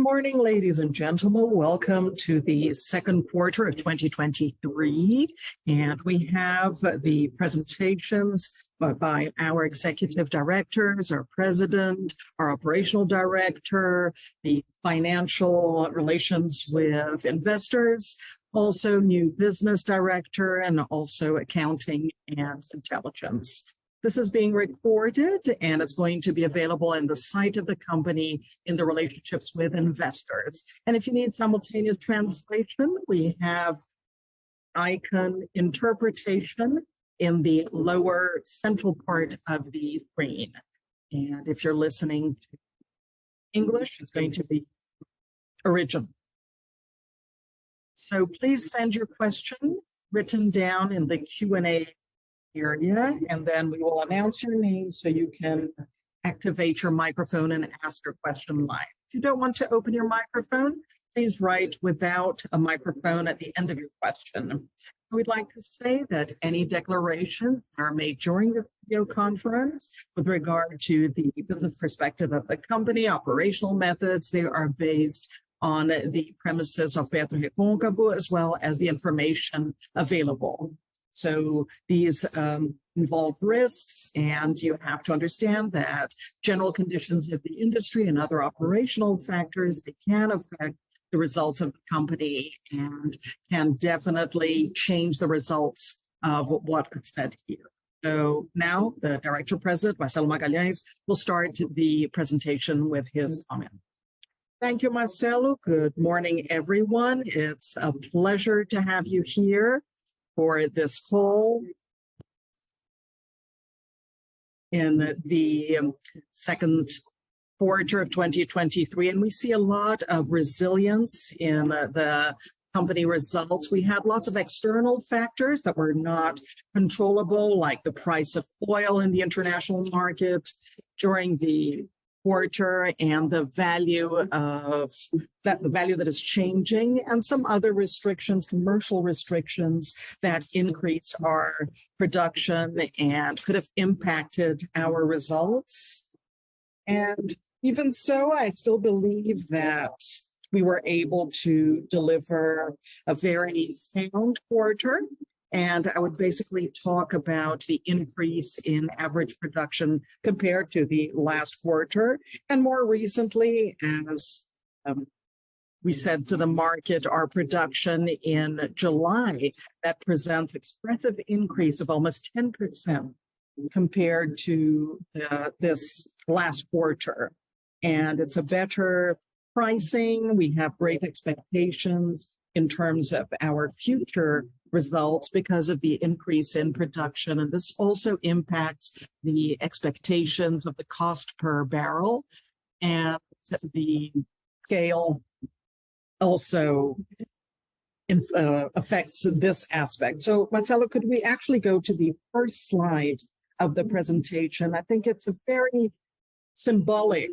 Good morning, ladies and gentlemen. Welcome to the second quarter of 2023. We have the presentations by our executive directors, our President, our Operational Director, the financial relations with investors, also New Business Director, and also accounting and intelligence. This is being recorded. It's going to be available on the site of the company in the relationships with investors. If you need simultaneous translation, we have icon interpretation in the lower central part of the screen. If you're listening to English, it's going to be original. Please send your question written down in the Q&A area. We will announce your name so you can activate your microphone and ask your question live. If you don't want to open your microphone, please write without a microphone at the end of your question. I would like to say that any declarations are made during the video conference with regard to the business perspective of the company, operational methods, they are based on the premises of PetroRecôncavo, as well as the information available. These involve risks, and you have to understand that general conditions of the industry and other operational factors, they can affect the results of the company and can definitely change the results of what was said here. Now, the Director President, Marcelo Magalhães, will start the presentation with his comment. Thank you, Marcelo. Good morning, everyone. It's a pleasure to have you here for this call in the second quarter of 2023, and we see a lot of resilience in the company results. We had lots of external factors that were not controllable, like the price of oil in the international market during the quarter, the value that is changing, some other restrictions, commercial restrictions that increased our production and could have impacted our results. Even so, I still believe that we were able to deliver a very sound quarter, and I would basically talk about the increase in average production compared to the last quarter, and more recently, as we said to the market, our production in July, that presents expressive increase of almost 10% compared to this last quarter. It's a better pricing. We have great expectations in terms of our future results because of the increase in production, and this also impacts the expectations of the cost per barrel, and the scale also affects this aspect. Marcelo, could we actually go to the first slide of the presentation? I think it's a very symbolic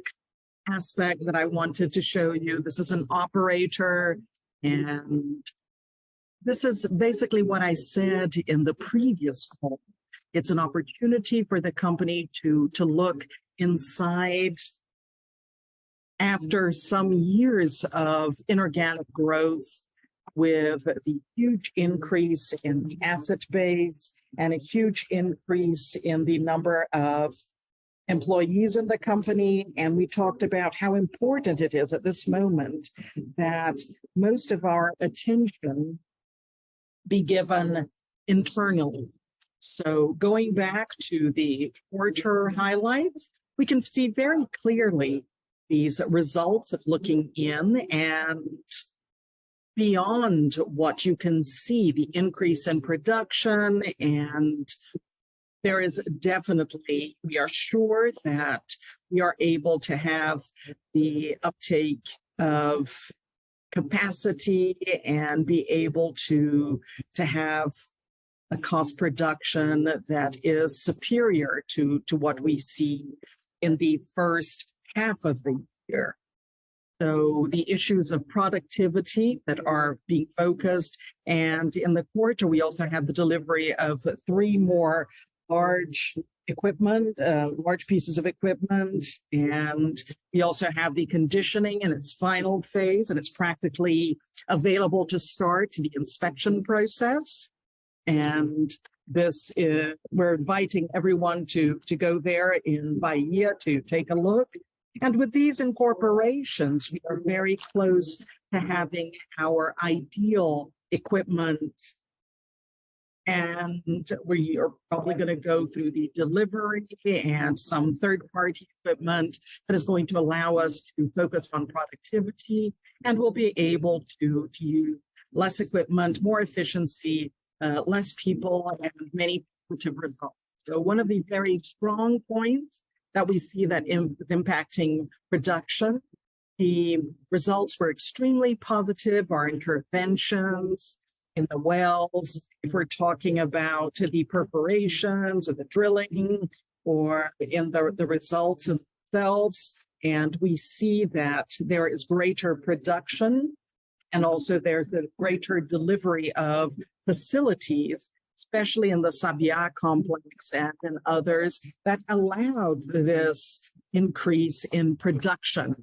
aspect that I wanted to show you. This is an operator, and this is basically what I said in the previous call. It's an opportunity for the company to, to look inside after some years of inorganic growth, with the huge increase in the asset base and a huge increase in the number of employees in the company. We talked about how important it is at this moment that most of our attention be given internally. Going back to the quarter highlights, we can see very clearly these results of looking in and beyond what you can see, the increase in production, and there is definitely, we are sure that we are able to have the uptake of capacity and be able to, to have a cost production that is superior to, to what we see in the first half of the year. The issues of productivity that are being focused, and in the quarter, we also have the delivery of three more large equipment, large pieces of equipment, and we also have the conditioning in its final phase, and it's practically available to start the inspection process. This is, we're inviting everyone to, to go there in Bahia to take a look. With these incorporations, we are very close to having our ideal equipment, and we are probably gonna go through the delivery and some third-party equipment that is going to allow us to focus on productivity, and we'll be able to use less equipment, more efficiency, less people, and many positive results. One of the very strong points that we see that impacting production, the results were extremely positive. Our interventions in the wells, if we're talking about the perforations or the drilling or in the, the results themselves, and we see that there is greater production. Also there's the greater delivery of facilities, especially in the Sabiá Complex and in others, that allowed this increase in production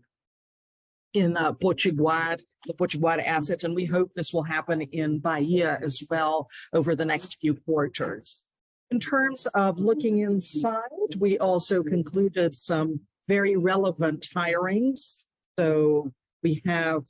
in Potiguar, the Potiguar assets, and we hope this will happen in Bahia as well over the next few quarters. In terms of looking inside, we also concluded some very relevant hirings. We have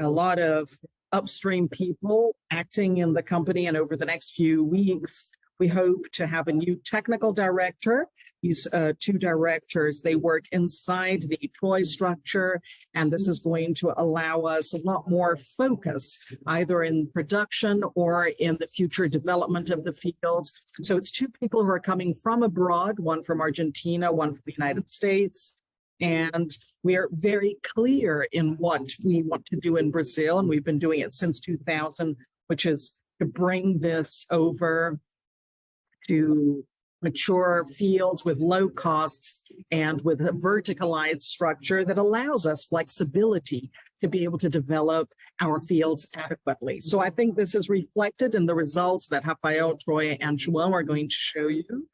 a lot of upstream people acting in the company, and over the next few weeks, we hope to have a new technical director. These, two directors, they work inside the Troy structure, and this is going to allow us a lot more focus, either in production or in the future development of the fields. It's two people who are coming from abroad, one from Argentina, one from the United States, and we are very clear in what we want to do in Brazil, and we've been doing it since 2000, which is to bring this over to mature fields with low costs and with a verticalized structure that allows us flexibility to be able to develop our fields adequately. I think this is reflected in the results that Rafael, Troy, and João Vitor are going to show you.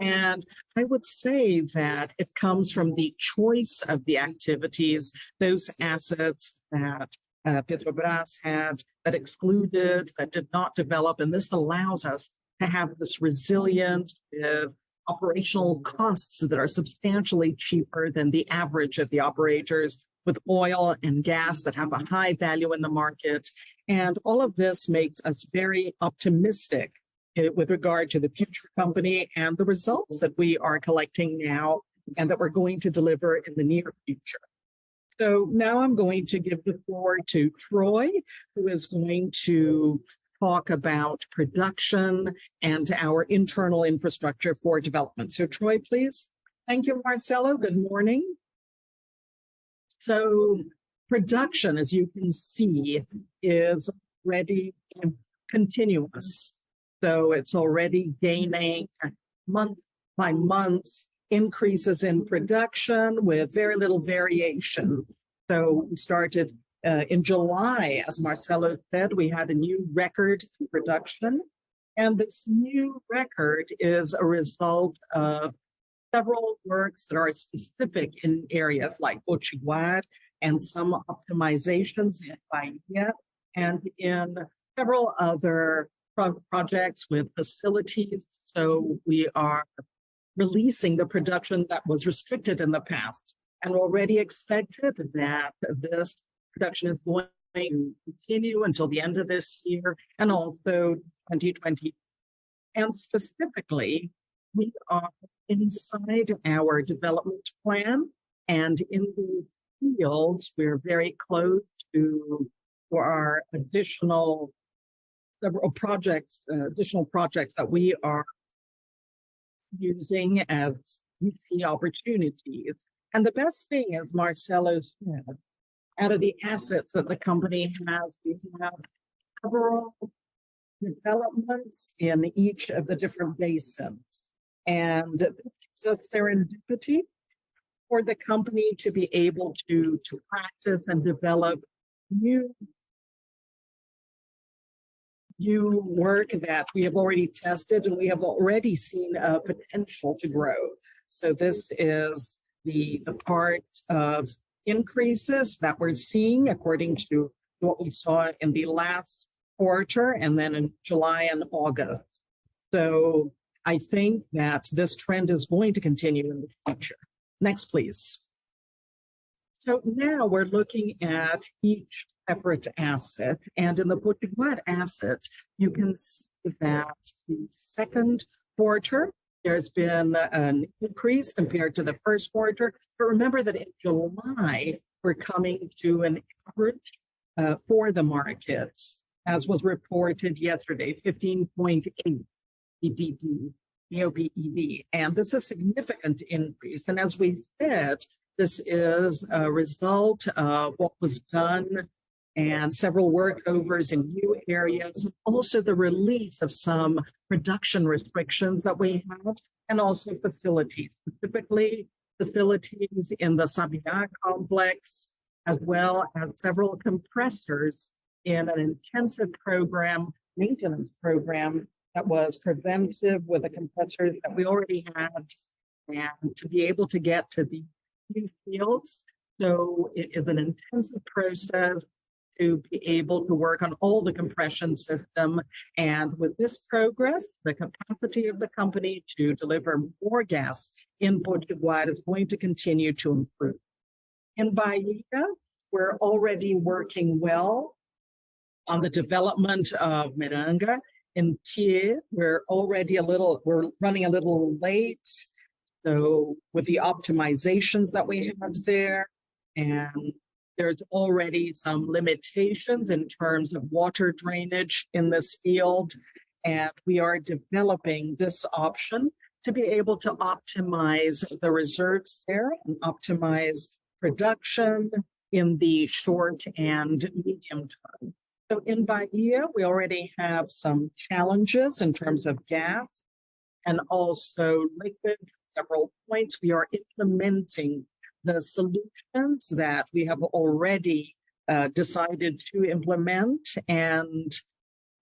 I would say that it comes from the choice of the activities, those assets that Petrobras had, that excluded, that did not develop, and this allows us to have this resilient operational costs that are substantially cheaper than the average of the operators, with oil and gas that have a high value in the market. All of this makes us very optimistic with regard to the future company and the results that we are collecting now, and that we're going to deliver in the near future. Now I'm going to give the floor to Troy, who is going to talk about production and our internal infrastructure for development. Troy, please. Thank you, Marcelo. Good morning. Production, as you can see, is already continuous. It's already gaining month-over-month increases in production with very little variation. We started in July, as Marcelo said, we had a new record in production, and this new record is a result of several works that are specific in areas like Potiguar Basin and some optimizations in Bahia, and in several other projects with facilities. We are releasing the production that was restricted in the past, and already expected that this production is going to continue until the end of this year and also 2020. Specifically, we are inside our development plan, and in these fields, we're very close to additional projects that we are using as we see opportunities. The best thing, as Marcelo said, out of the assets that the company has, we have several developments in each of the different basins. The serendipity for the company to be able to, to practice and develop new, new work that we have already tested, and we have already seen a potential to grow. This is the, the part of increases that we're seeing according to what we saw in the last quarter, and then in July and August. I think that this trend is going to continue in the future. Next, please. Now we're looking at each separate asset, and in the Potiguar asset, you can see that in the second quarter, there's been an increase compared to the first quarter. Remember that in July, we're coming to an average for the markets, as was reported yesterday, 15.8 BOPD. This is a significant increase. As we said, this is a result of what was done and several workovers in new areas, also the release of some production restrictions that we have, and also facilities. Specifically, facilities in the Sabiá Complex, as well as several compressors in an intensive program, maintenance program, that was preventive with the compressors that we already have, and to be able to get to the new fields. It is an intensive process to be able to work on all the compression system, and with this progress, the capacity of the company to deliver more gas in Potiguar is going to continue to improve. In Bahia, we're already working well on the development of Miranga. In Bahia, we're already running a little late, with the optimizations that we have there. There's already some limitations in terms of water drainage in this field. We are developing this option to be able to optimize the reserves there and optimize production in the short and medium term. In Bahia, we already have some challenges in terms of gas. Also like the several points, we are implementing the solutions that we have already decided to implement.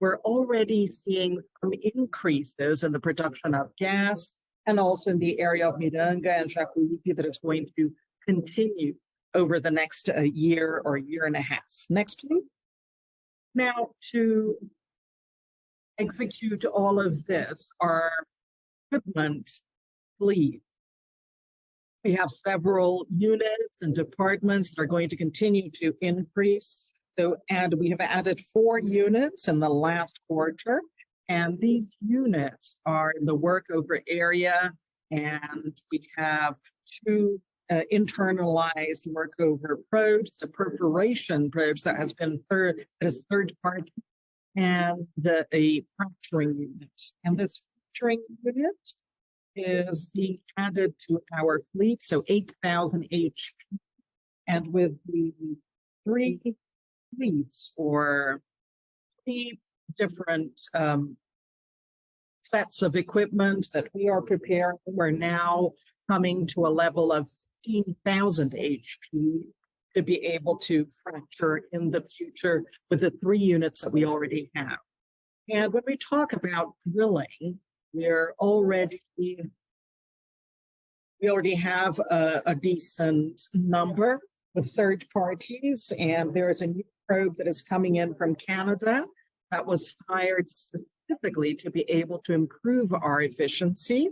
We're already seeing some increases in the production of gas, and also in the area of Miranga and Jacuípe, that is going to continue over the next year or 1.5 years. Next, please. To execute all of this, our equipment fleet, we have several units and departments that are going to continue to increase. We have added four units in the last quarter, and these units are in the workover area, and we have 2 internalized workover probes, the perforation probes that has been third party, and a fracturing unit. This fracturing unit is being added to our fleet, so 8,000 HP. With the three fleets or three different sets of equipment that we are preparing, we're now coming to a level of 15,000 HP to be able to fracture in the future with the three units that we already have. When we talk about drilling, we already have a decent number of third parties, and there is a new probe that is coming in from Canada that was hired specifically to be able to improve our efficiency.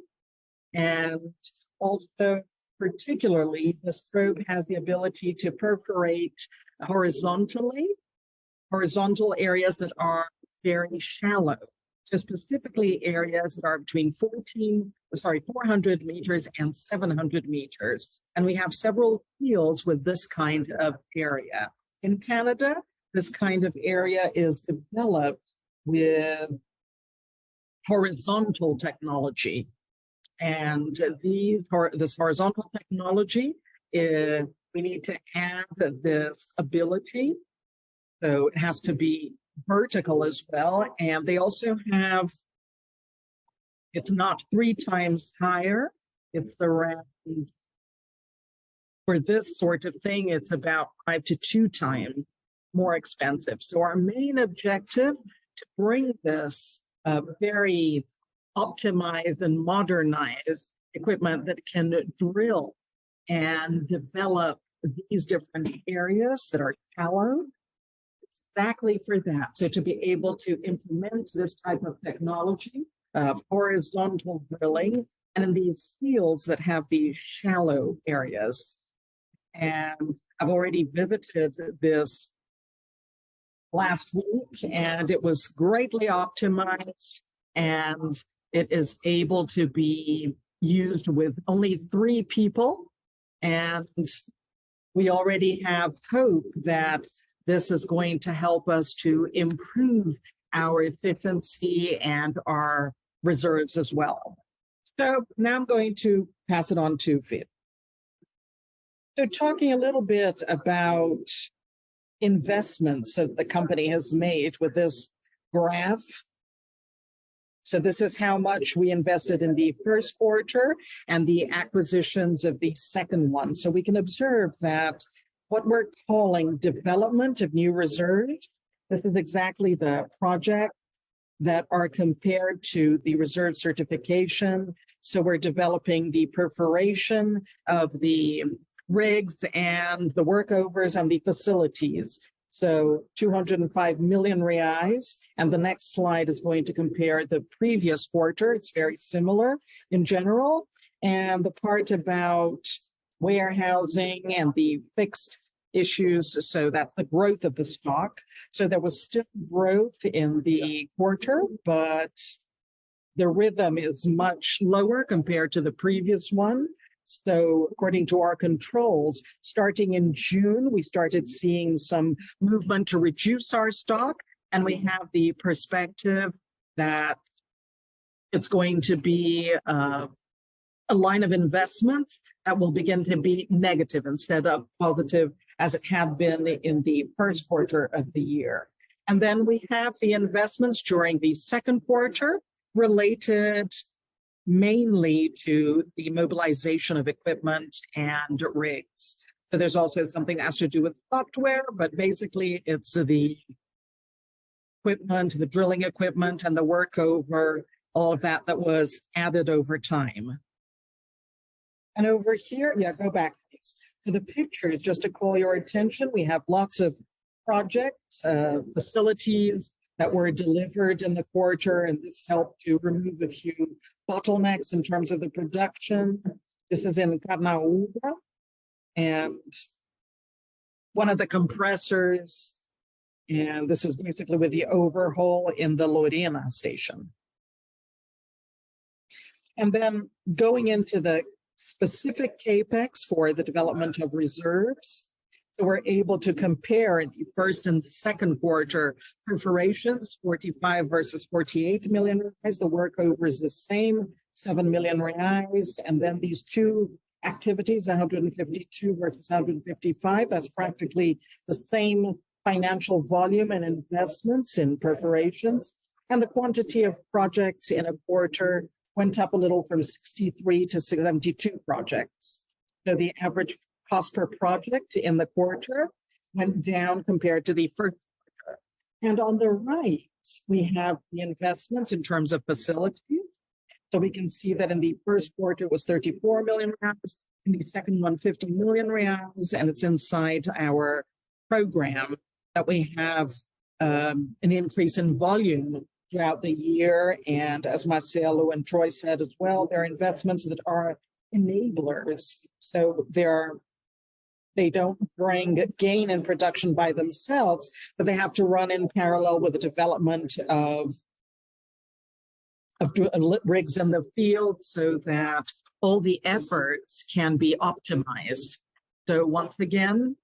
Also, particularly, this probe has the ability to perforate horizontally, horizontal areas that are very shallow. Specifically, areas that are between 400 meters and 700 meters, and we have several fields with this kind of area. In Canada, this kind of area is developed with horizontal technology, and this horizontal technology, we need to add this ability, so it has to be vertical as well. They also have. It's not three times higher. For this sort of thing, it's about five to two times more expensive. Our main objective: to bring this, very optimized and modernized equipment that can drill and develop these different areas that are shallow, exactly for that. To be able to implement this type of technology, horizontal drilling, and in these fields that have these shallow areas. I've already visited this last week, and it was greatly optimized, and it is able to be used with only three people. We already have hope that this is going to help us to improve our efficiency and our reserves as well. Now I'm going to pass it on to Phil. Talking a little bit about investments that the company has made with this graph. This is how much we invested in the first quarter and the acquisitions of the second one. We can observe that what we're calling development of new reserves, this is exactly the project that are compared to the reserve certification. We're developing the perforation of the rigs and the workovers and the facilities. 205 million reais, and the next slide is going to compare the previous quarter. It's very similar in general, the part about warehousing and the fixed issues, that's the growth of the stock. There was still growth in the quarter, but the rhythm is much lower compared to the previous one. According to our controls, starting in June, we started seeing some movement to reduce our stock, and we have the perspective that it's going to be a line of investment that will begin to be negative instead of positive, as it had been in the first quarter of the year. We have the investments during the second quarter, related mainly to the mobilization of equipment and rigs. There's also something has to do with software, but basically it's the equipment, the drilling equipment, and the workover, all of that, that was added over time. To the picture, just to call your attention, we have lots of projects, facilities that were delivered in the quarter, and this helped to remove a few bottlenecks in terms of the production. This is in Carnaúba, and one of the compressors, and this is basically with the overhaul in the Lorena station. Then going into the specific CapEx for the development of reserves, so we're able to compare the first and the second quarter perforations, BRL 45 million versus 48 million reais, as the workover is the same, 7 million reais. Then these two activities, 152 million versus 155 million, that's practically the same financial volume and investments in perforations. The quantity of projects in a quarter went up a little from 63 to 72 projects. The average cost per project in the quarter went down compared to the first quarter. On the right, we have the investments in terms of facilities. We can see that in the first quarter, it was BRL 34 million, in the second one, BRL 50 million, and it's inside our program that we have an increase in volume throughout the year. As Marcelo and Troy said as well, they're investments that are enablers. They don't bring gain in production by themselves, but they have to run in parallel with the development of rigs in the field so that all the efforts can be optimized. Once again,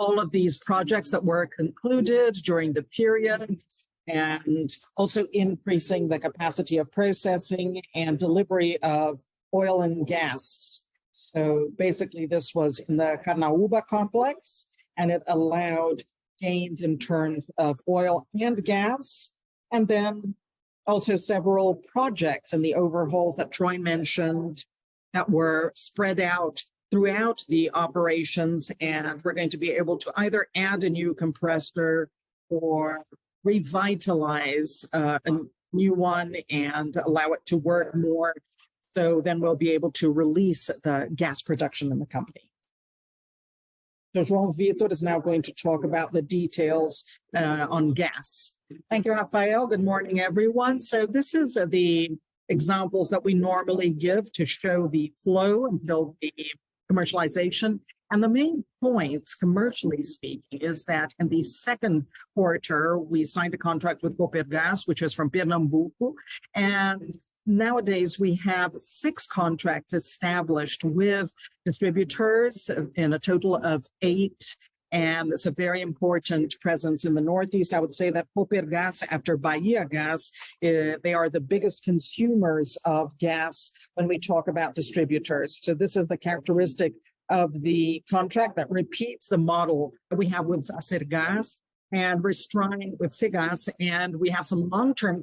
all of these projects that were concluded during the period, and also increasing the capacity of processing and delivery of oil and gas. Basically, this was in the Carnaúba complex, and it allowed gains in terms of oil and gas, also several projects and the overhauls that Troy mentioned, that were spread out throughout the operations. We're going to be able to either add a new compressor or revitalize a new one and allow it to work more. We'll be able to release the gas production in the company. João Vitor is now going to talk about the details on gas. Thank you, Rafael. Good morning, everyone. This is the examples that we normally give to show the flow and build the commercialization. The main points, commercially speaking, is that in the second quarter, we signed a contract with COPERGÁS, which is from Pernambuco, and nowadays we have six contracts established with distributors in a total of eight, and it's a very important presence in the northeast. I would say that COPERGÁS, after Bahiagás, they are the biggest consumers of gas when we talk about distributors. This is the characteristic of the contract that repeats the model that we have with Algás, and we're strong with Cigás, and we have some long-term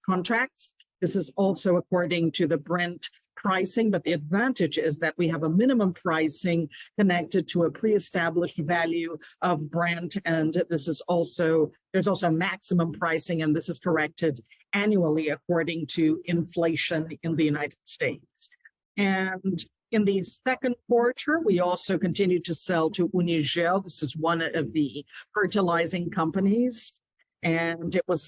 contracts. This is also according to the Brent pricing, but the advantage is that we have a minimum pricing connected to a pre-established value of Brent. There's also a maximum pricing, and this is corrected annually according to inflation in the United States. In the second quarter, we also continued to sell to Unigel. This is one of the fertilizing companies. It was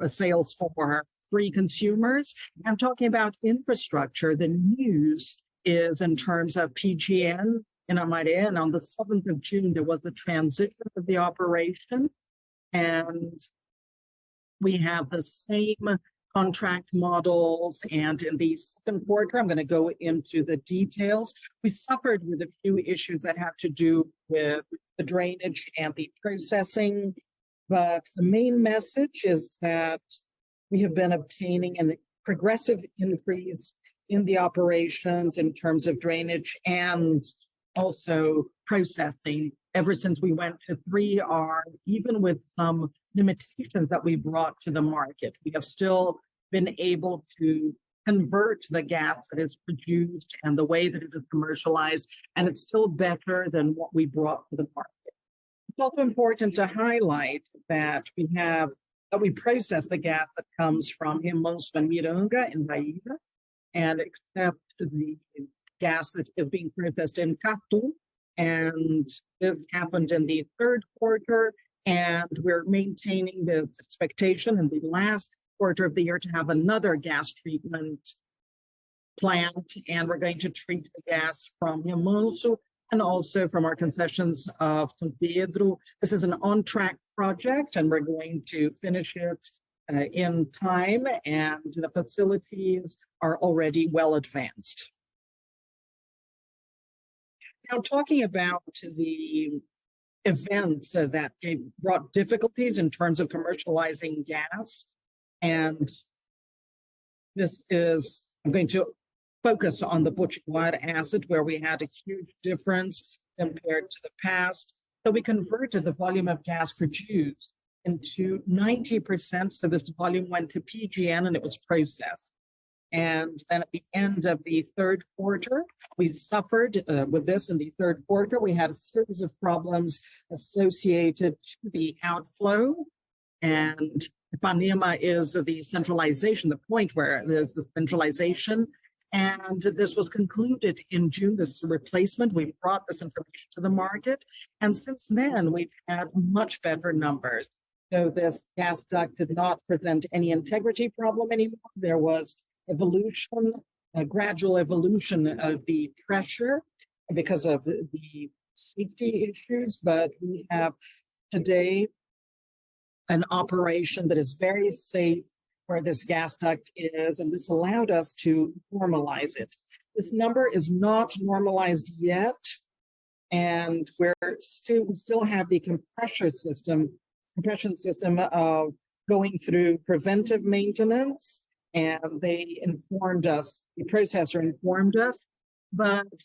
a sales for three consumers. Now talking about infrastructure, the news is in terms of PGN in Amanã. On the seventh of June, there was a transition of the operation. We have the same contract models. In the second quarter, I'm gonna go into the details. We suffered with a few issues that have to do with the drainage and the processing. The main message is that we have been obtaining a progressive increase in the operations in terms of drainage and also processing. Ever since we went to 3R, even with some limitations that we brought to the market, we have still been able to convert the gas that is produced and the way that it is commercialized, and it's still better than what we brought to the market. It's also important to highlight that we have that we process the gas that comes from Hermenegildo in Bahia, and accept the gas that is being produced in Catu, and this happened in the third quarter, and we're maintaining the expectation in the last quarter of the year to have another gas treatment plant, and we're going to treat the gas from Hermenegildo, and also from our concessions of Pedro. This is an on-track project, and we're going to finish it in time, and the facilities are already well advanced. Now, talking about the events that gave, brought difficulties in terms of commercializing gas, and this is- I'm going to focus on the Potiguar Asset, where we had a huge difference compared to the past. We converted the volume of gas produced into 90%, so this volume went to PGN, and it was processed. Then at the end of the third quarter, we suffered with this in the third quarter. We had a series of problems associated to the outflow, and Ipanema is the centralization, the point where there's the centralization, and this was concluded in June, this replacement. We brought this information to the market, and since then, we've had much better numbers. This gas duct did not present any integrity problem anymore. There was evolution, a gradual evolution of the pressure because of the, the safety issues, but we have today an operation that is very safe where this gas duct is, and this allowed us to normalize it. This number is not normalized yet, and we still have the compression system, compression system going through preventive maintenance, and they informed us, the processor informed us.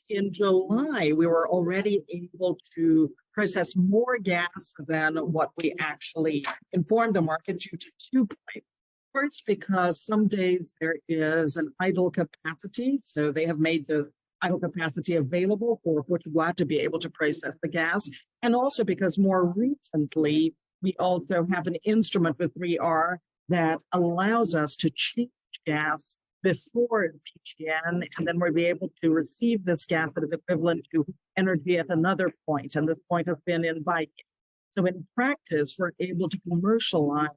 In July, we were already able to process more gas than what we actually informed the market to two points. First, because some days there is an idle capacity, so they have made the idle capacity available for Potiguar to be able to process the gas. Also because more recently, we also have an instrument with 3R that allows us to change gas before PGN, and then we'll be able to receive this gas that is equivalent to energy at another point, and this point have been invited. In practice, we're able to commercialize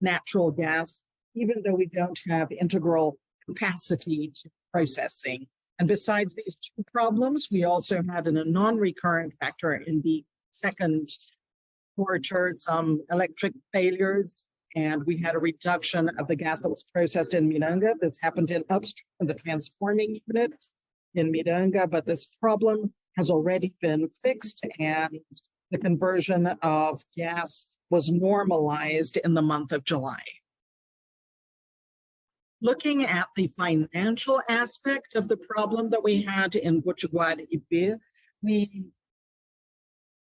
natural gas, even though we don't have integral capacity to processing. Besides these two problems, we also have a non-recurrent factor in the second quarter, some electric failures, and we had a reduction of the gas that was processed in Miranga. This happened in upstream, the transforming unit in Miranga, but this problem has already been fixed, and the conversion of gas was normalized in the month of July. Looking at the financial aspect of the problem that we had in Potiguar, Ibirá, we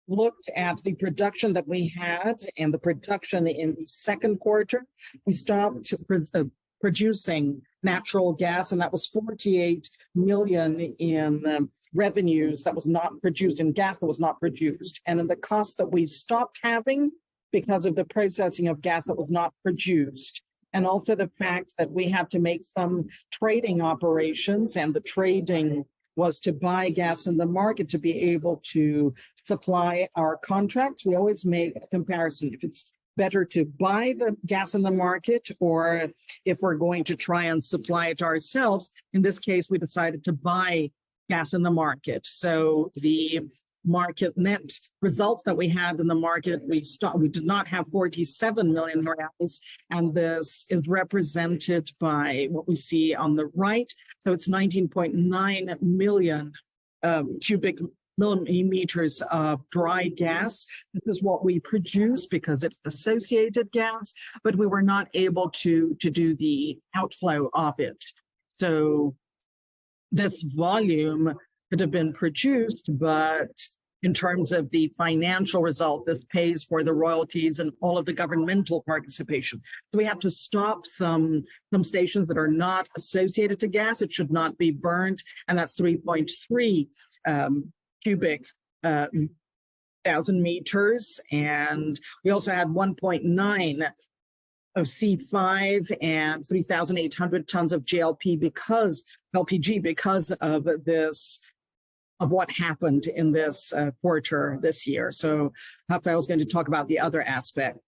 looked at the production that we had and the production in the second quarter. We stopped pro- producing natural gas, and that was 48 million in revenues that was not produced, in gas that was not produced, and in the cost that we stopped having because of the processing of gas that was not produced. Also the fact that we have to make some trading operations, and the trading was to buy gas in the market to be able to supply our contracts. We always make a comparison, if it's better to buy the gas in the market or if we're going to try and supply it ourselves. In this case, we decided to buy gas in the market. The market net results that we had in the market, we did not have 47 million reais, and this is represented by what we see on the right. It's 19.9 million MMm³ of dry gas. This is what we produce because it's associated gas, but we were not able to, to do the outflow of it. This volume would have been produced, but in terms of the financial result, this pays for the royalties and all of the governmental participation. We have to stop some, some stations that are not associated to gas, it should not be burned, and that's 3.3 Mm³/day. We also had 1.9 of C5 and 3,800 tons of LPG, because LPG, because of this- of what happened in this quarter this year. Rafael is going to talk about the other aspect.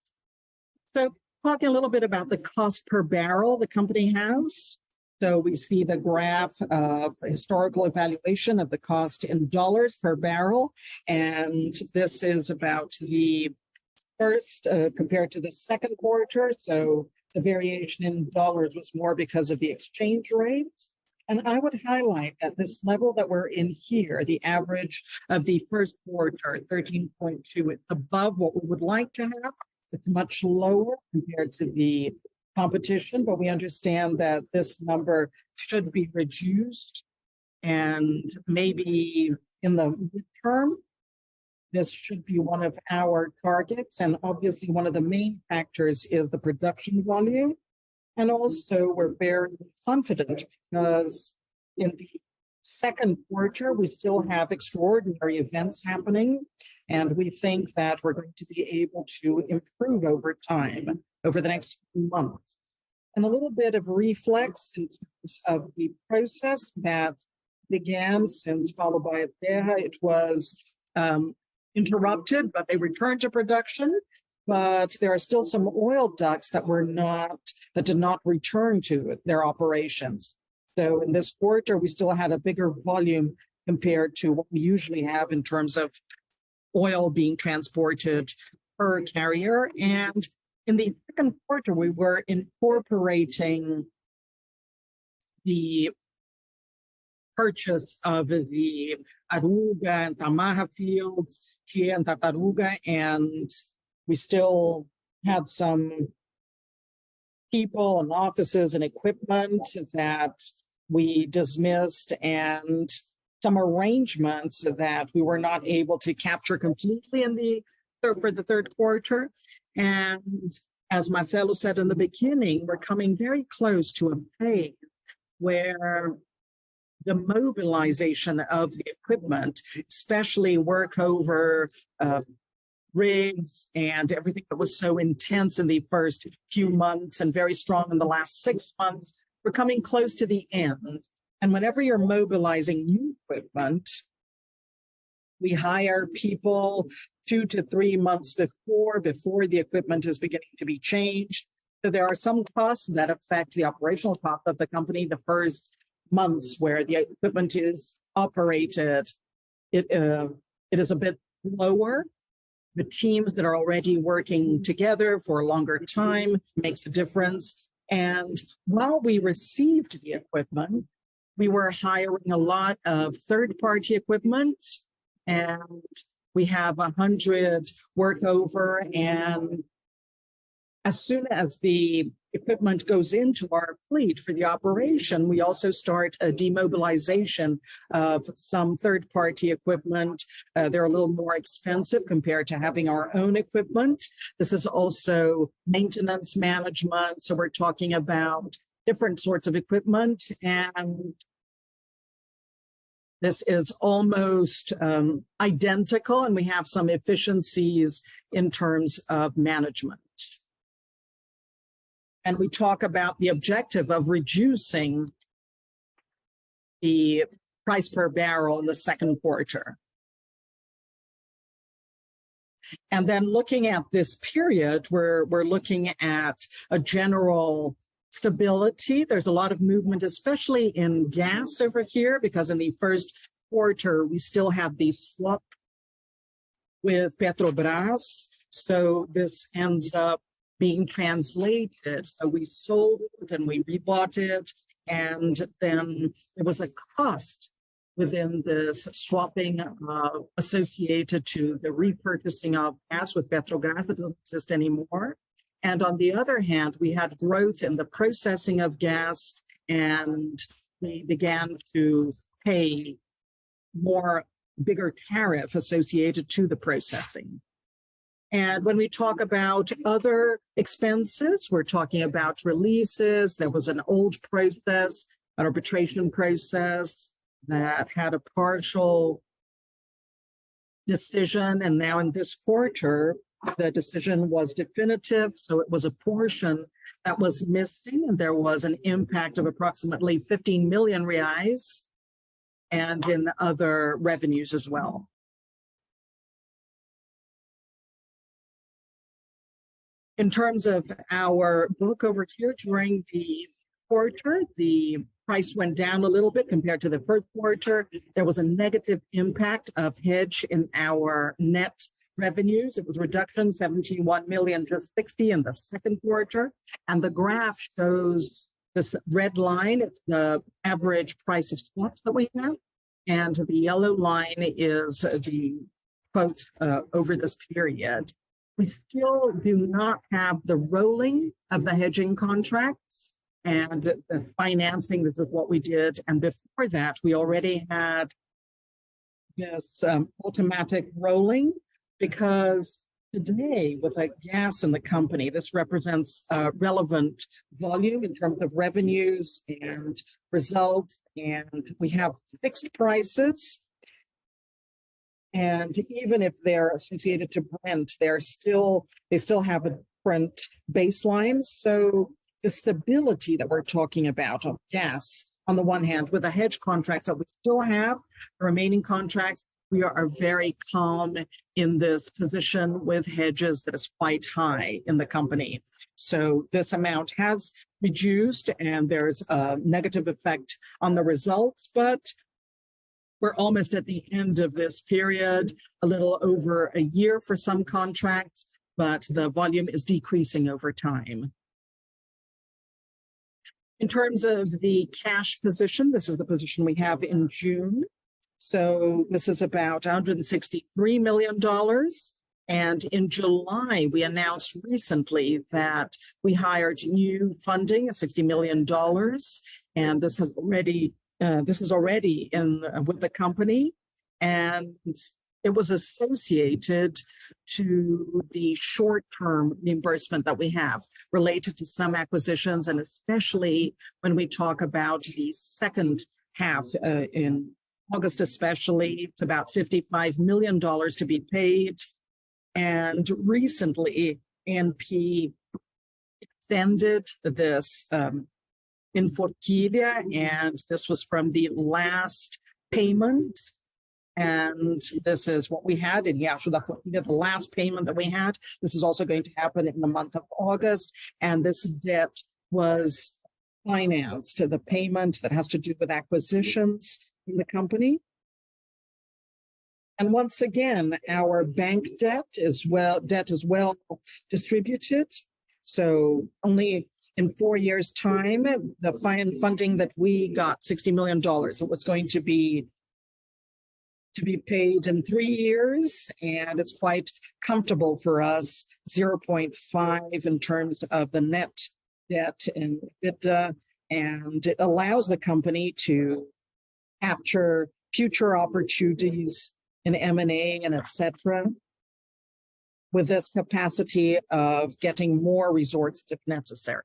Talking a little bit about the cost per barrel the company has. We see the graph of historical evaluation of the cost in dollar per bbl, this is about the first compared to the second quarter. The variation in dollars was more because of the exchange rates. I would highlight at this level that we're in here, the average of the first quarter, $13.2, it's above what we would like to have. It's much lower compared to the competition. We understand that this number should be reduced, maybe in the long term, this should be one of our targets. Obviously, one of the main factors is the production volume. We're very confident because in the second quarter, we still have extraordinary events happening, and we think that we're going to be able to improve over time, over the next few months. A little bit of reflex in terms of the process that began since followed by Ibirá. It was interrupted, but they returned to production, but there are still some oil ducts that were not, that did not return to their operations. In this quarter, we still had a bigger volume compared to what we usually have in terms of oil being transported per carrier. In the second quarter, we were incorporating the purchase of the Arruga and Tamaja fields, and Tartaruga, and we still had some people and offices and equipment that we dismissed and some arrangements that we were not able to capture completely in the, for the third quarter. As Marcelo said in the beginning, we're coming very close to a phase where the mobilization of the equipment, especially Workover rigs and everything that was so intense in the first few months and very strong in the last six months, we're coming close to the end. Whenever you're mobilizing new equipment, we hire people two to three months before, before the equipment is beginning to be changed. There are some costs that affect the operational cost of the company. The first months where the equipment is operated, it is a bit lower. The teams that are already working together for a longer time makes a difference. While we received the equipment, we were hiring a lot of third-party equipment, and we have 100 Workover. As soon as the equipment goes into our fleet for the operation, we also start a demobilization of some third-party equipment. They're a little more expensive compared to having our own equipment. This is also maintenance management, so we're talking about different sorts of equipment, and this is almost identical, and we have some efficiencies in terms of management. We talk about the objective of reducing the price per barrel in the second quarter. Looking at this period, we're, we're looking at a general stability. There's a lot of movement, especially in gas over here, because in the first quarter, we still have the swap with Petrobras, so this ends up being translated. We sold it, then we rebought it, and then there was a cost within this swapping associated to the repurchasing of gas with Petrobras. It doesn't exist anymore. On the other hand, we had growth in the processing of gas, and we began to pay more bigger tariff associated to the processing. When we talk about other expenses, we're talking about releases. There was an old process, an arbitration process, that had a partial decision, and now in this quarter, the decision was definitive, so it was a portion that was missing, and there was an impact of approximately 15 million reais and in other revenues as well. In terms of our book over here, during the quarter, the price went down a little bit compared to the first quarter. There was a negative impact of hedge in our net revenues. It was a reduction, BRL 71 million-BRL 60 million in the second quarter. The graph shows this red line, it's the average price of swaps that we have, and the yellow line is the quote over this period. We still do not have the rolling of the hedging contracts and the, the financing. This is what we did, and before that, we already had, yes, automatic rolling, because today, with like gas in the company, this represents relevant volume in terms of revenues and results, and we have fixed prices. Even if they're associated to Brent, they still have a Brent baseline. The stability that we're talking about of gas, on the one hand, with the hedge contracts that we still have, the remaining contracts, we are very calm in this position with hedges that is quite high in the company. This amount has reduced, and there's a negative effect on the results, but we're almost at the end of this period, a little over a year for some contracts, but the volume is decreasing over time. In terms of the cash position, this is the position we have in June. This is about under $63 million, and in July, we announced recently that we hired new funding, $60 million, and this is already, this is already in with the company, and it was associated to the short-term reimbursement that we have related to some acquisitions, and especially when we talk about the second half, in August, especially, it's about $55 million to be paid. Recently, ANP extended this, in Fortia, and this was from the last payment, and this is what we had. The last payment that we had, this is also going to happen in the month of August, and this debt was financed to the payment that has to do with acquisitions in the company. Once again, our bank debt is well distributed, so only in four-years time, the funding that we got, $60 million, it was going to be paid in three-years, and it's quite comfortable for us, 0.5 in terms of the net debt and EBITDA, and it allows the company to capture future opportunities in M&A and et cetera, with this capacity of getting more resorts if necessary.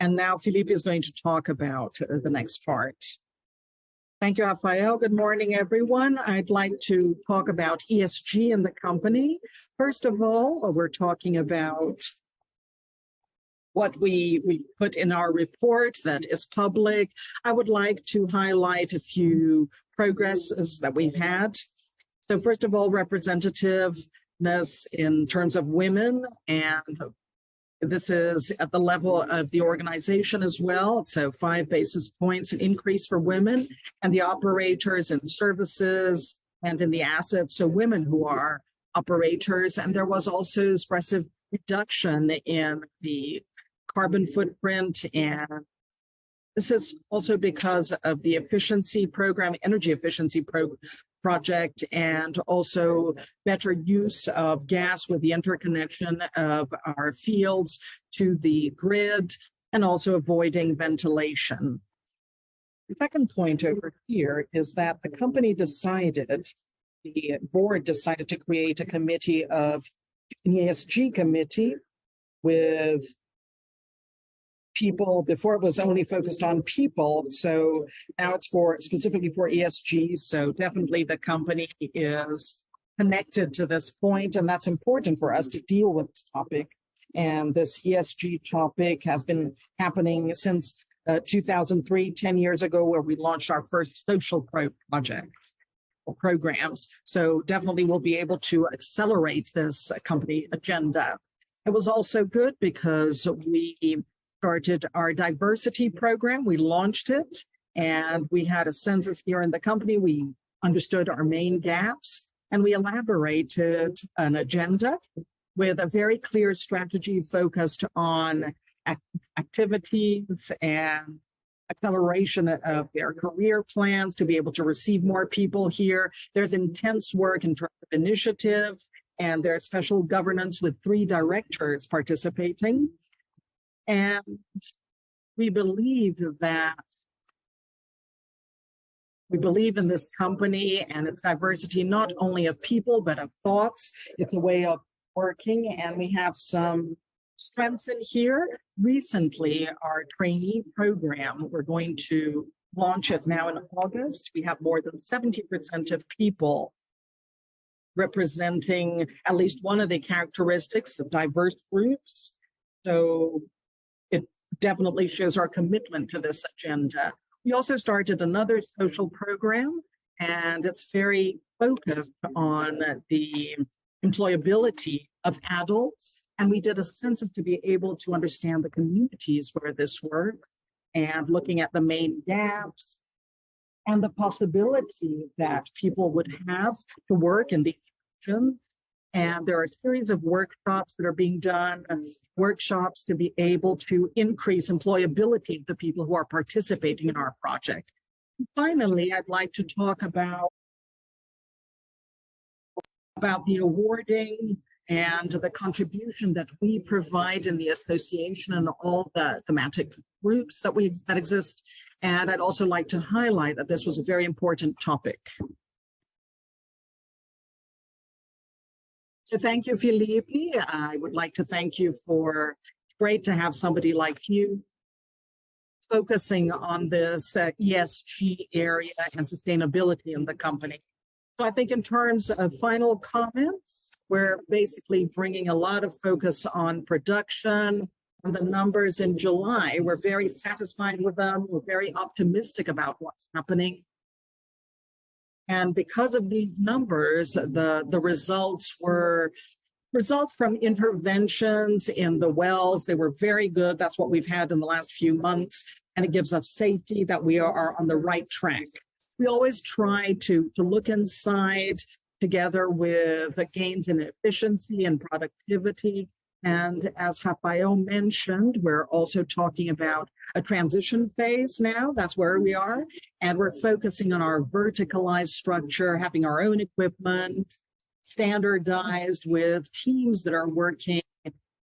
Now Felipe is going to talk about the next part. Thank you, Rafael. Good morning, everyone. I'd like to talk about ESG in the company. First of all, we're talking about what we, we put in our report that is public. I would like to highlight a few progresses that we've had. First of all, representativeness in terms of women, and this is at the level of the organization as well. 5 basis points increase for women and the operators and services and in the assets, so women who are operators. There was also expressive reduction in the carbon footprint. This is also because of the efficiency program, energy efficiency project, and also better use of gas with the interconnection of our fields to the grid, and also avoiding ventilation. The second point over here is that the company decided, the board decided to create an ESG committee with people. Before, it was only focused on people. Now it's for specifically for ESG, definitely the company is connected to this point. That's important for us to deal with this topic. This ESG topic has been happening since 2003, 10 years ago, where we launched our first social project or programs. Definitely we'll be able to accelerate this company agenda. It was also good because we started our diversity program. We launched it. We had a census here in the company. We understood our main gaps. We elaborated an agenda with a very clear strategy focused on activities and acceleration of their career plans to be able to receive more people here. There's intense work in terms of initiative. There are special governance with 3 directors participating. We believe that, We believe in this company and its diversity, not only of people, but of thoughts. It's a way of working, and we have some strengths in here. Recently, our trainee program, we're going to launch it now in August. We have more than 70% of people representing at least one of the characteristics of diverse groups, so it definitely shows our commitment to this agenda. We also started another social program, it's very focused on the employability of adults. We did a census to be able to understand the communities where this works, and looking at the main gaps and the possibility that people would have to work in the future. There are a series of workshops that are being done, and workshops to be able to increase employability of the people who are participating in our project. Finally, I'd like to talk about, about the awarding and the contribution that we provide in the association and all the thematic groups that exist. I'd also like to highlight that this was a very important topic. Thank you, Felipe. I would like to thank you for... It's great to have somebody like you focusing on this ESG area and sustainability in the company. I think in terms of final comments, we're basically bringing a lot of focus on production. The numbers in July, we're very satisfied with them. We're very optimistic about what's happening. Because of the numbers, the, the results were results from interventions in the wells, they were very good. That's what we've had in the last few months, and it gives us safety that we are on the right track. We always try to look inside, together with the gains in efficiency and productivity. As Rafael mentioned, we're also talking about a transition phase now. That's where we are, and we're focusing on our verticalized structure, having our own equipment, standardized with teams that are working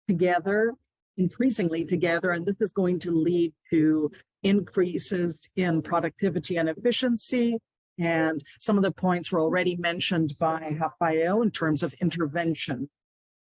together, increasingly together, and this is going to lead to increases in productivity and efficiency. Some of the points were already mentioned by Rafael in terms of intervention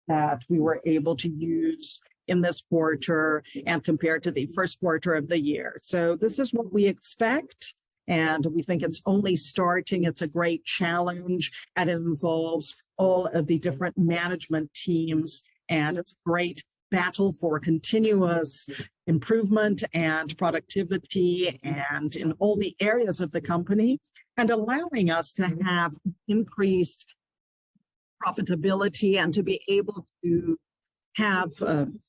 that we were able to use in this quarter and compared to the first quarter of the year. This is what we expect, and we think it's only starting. It's a great challenge, and it involves all of the different management teams, and it's a great battle for continuous improvement and productivity, and in all the areas of the company, and allowing us to have increased profitability and to be able to have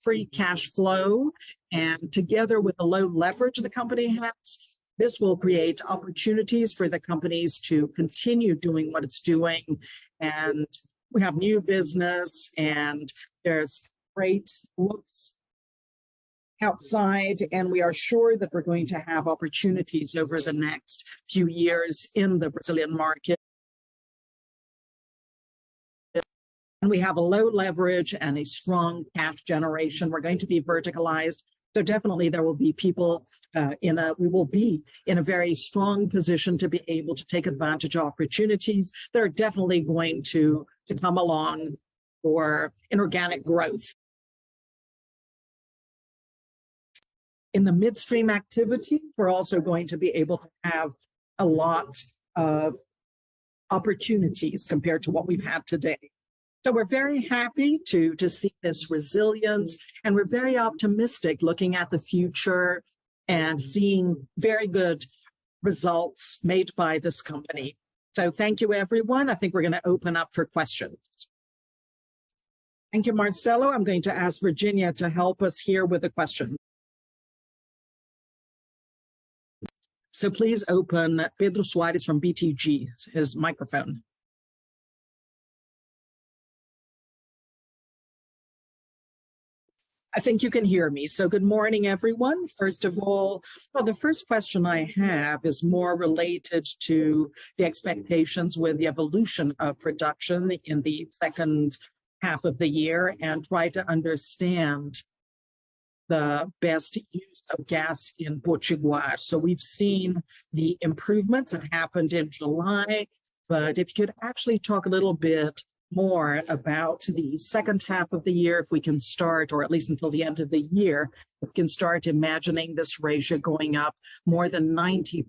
free cash flow. Together with the low leverage the company has, this will create opportunities for the companies to continue doing what it's doing. We have new business, and there's great looks outside, and we are sure that we're going to have opportunities over the next few years in the Brazilian market. We have a low leverage and a strong cash generation. We're going to be verticalized, so definitely there will be people. We will be in a very strong position to be able to take advantage of opportunities that are definitely going to come along for inorganic growth. In the midstream activity, we're also going to be able to have a lot of opportunities compared to what we've had today. We're very happy to see this resilience, and we're very optimistic looking at the future and seeing very good results made by this company. Thank you, everyone. I think we're going to open up for questions. Thank you, Marcelo. I'm going to ask Virginia to help us here with the question. Please open Pedro Soares from BTG Pactual, his microphone. I think you can hear me. Good morning, everyone. First of all, the first question I have is more related to the expectations with the evolution of production in the second half of the year, and try to understand the best use of gas in Potiguar. We've seen the improvements that happened in July, but if you could actually talk a little bit more about the second half of the year, if we can start, or at least until the end of the year, we can start imagining this ratio going up more than 90%.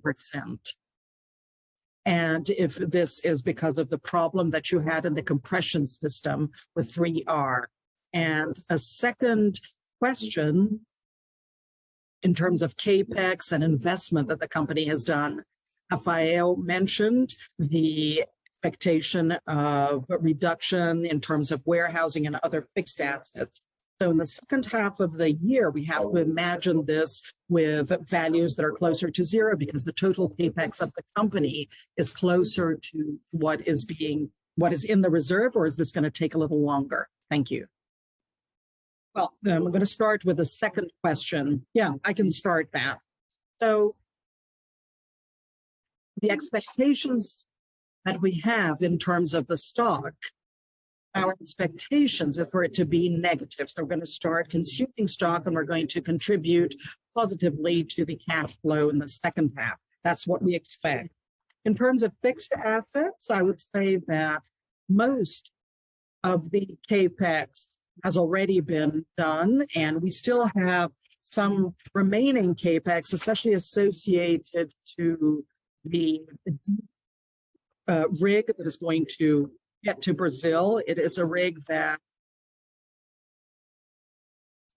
If this is because of the problem that you had in the compression system with 3R? A second question, in terms of CapEx and investment that the company has done, Rafael mentioned the expectation of a reduction in terms of warehousing and other fixed assets. In the second half of the year, we have to imagine this with values that are closer to zero, because the total CapEx of the company is closer to what is in the reserve, or is this gonna take a little longer? Thank you. Well, I'm gonna start with the second question. Yeah, I can start that. The expectations that we have in terms of the stock, our expectations are for it to be negative. We're gonna start consuming stock, and we're going to contribute positively to the cash flow in the second half. That's what we expect. In terms of fixed assets, I would say that most of the CapEx has already been done, and we still have some remaining CapEx, especially associated to the rig that is going to get to Brazil. It is a rig that,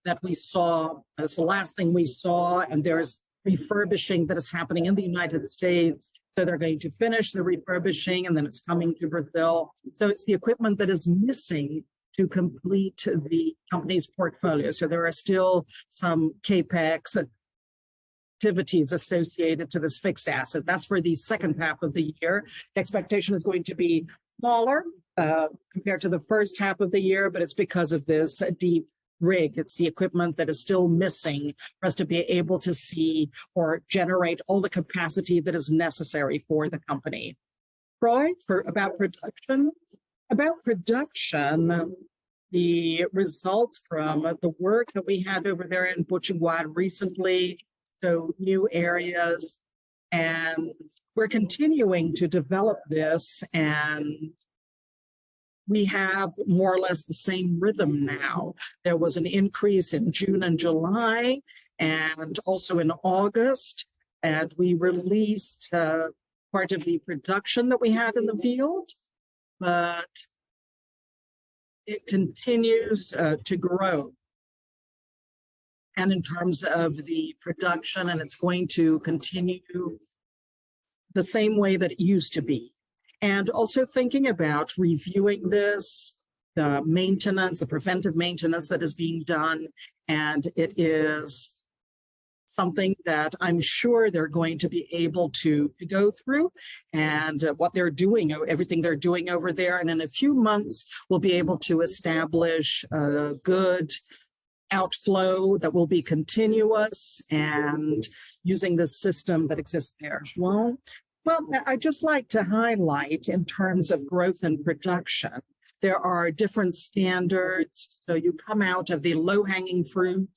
that we saw... It's the last thing we saw, and there's refurbishing that is happening in the United States. They're going to finish the refurbishing, and then it's coming to Brazil. It's the equipment that is missing to complete the company's portfolio. There are still some CapEx activities associated to this fixed asset. That's for the second half of the year. Expectation is going to be smaller, compared to the 1st half of the year, but it's because of this deep rig. It's the equipment that is still missing for us to be able to see or generate all the capacity that is necessary for the company. Right, for about production? About production, the results from the work that we had over there in Potiguar recently, so new areas, and we're continuing to develop this, and we have more or less the same rhythm now. There was an increase in June and July, and also in August, and we released part of the production that we had in the fields, but it continues to grow. In terms of the production, and it's going to continue the same way that it used to be. Also thinking about reviewing this, the maintenance, the preventive maintenance that is being done, and it is something that I'm sure they're going to be able to go through, and what they're doing, everything they're doing over there, and in a few months, we'll be able to establish a good outflow that will be continuous and using the system that exists there. Well, well, I'd just like to highlight in terms of growth and production, there are different standards. You come out of the low-hanging fruit,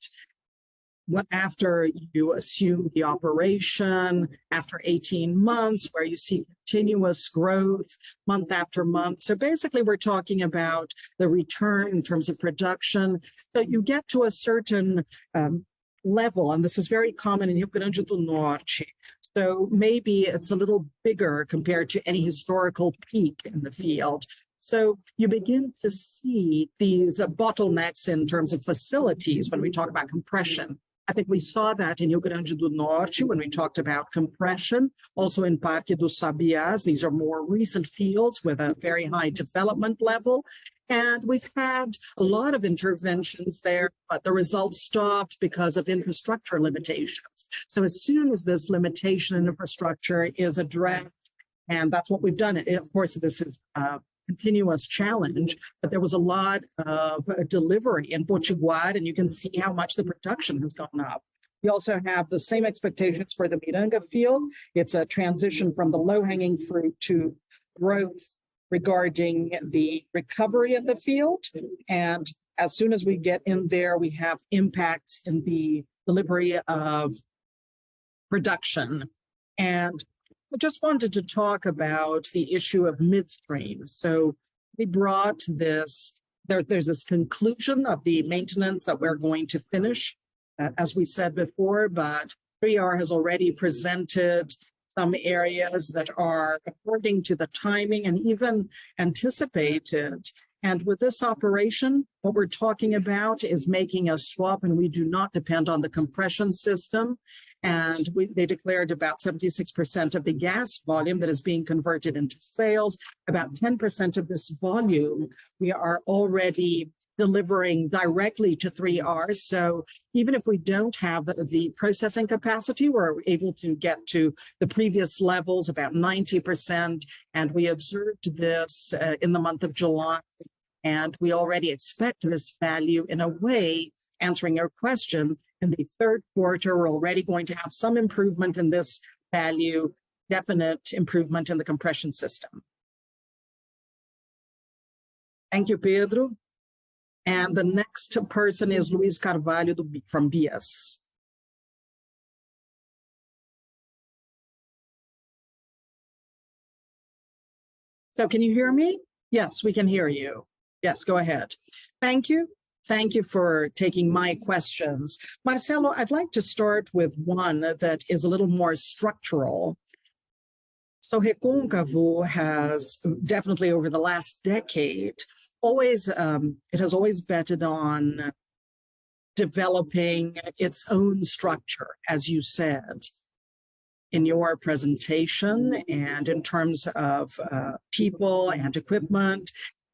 what after you assume the operation, after 18 months, where you see continuous growth month after month. Basically, we're talking about the return in terms of production, that you get to a certain level, and this is very common in Rio Grande do Norte. Maybe it's a little bigger compared to any historical peak in the field. You begin to see these bottlenecks in terms of facilities when we talk about compression. I think we saw that in Rio Grande do Norte when we talked about compression, also in Parque dos Sabiás. These are more recent fields with a very high development level, and we've had a lot of interventions there, but the results stopped because of infrastructure limitations. As soon as this limitation in infrastructure is addressed, and that's what we've done, of course, this is a continuous challenge, but there was a lot of delivery in Potiguar, and you can see how much the production has gone up. We also have the same expectations for the Miranga field. It's a transition from the low-hanging fruit to growth regarding the recovery of the field, and as soon as we get in there, we have impacts in the delivery of production. I just wanted to talk about the issue of midstream. We brought this-- there, there's this conclusion of the maintenance that we're going to finish, as we said before, but 3R has already presented some areas that are according to the timing and even anticipated. With this operation, what we're talking about is making a swap, and we do not depend on the compression system. We-- they declared about 76% of the gas volume that is being converted into sales. About 10% of this volume, we are already delivering directly to 3R. Even if we don't have the processing capacity, we're able to get to the previous levels, about 90%, and we observed this in the month of July. We already expect this value, in a way, answering your question, in the third quarter, we're already going to have some improvement in this value, definite improvement in the compression system. Thank you, Pedro. The next person is Luís Carvalho from BTG Pactual. Can you hear me? Yes, we can hear you. Yes, go ahead. Thank you. Thank you for taking my questions. Marcelo, I'd like to start with one that is a little more structural. Recôncavo has, definitely over the last decade, always, it has always betted on developing its own structure, as you said in your presentation, and in terms of people and equipment.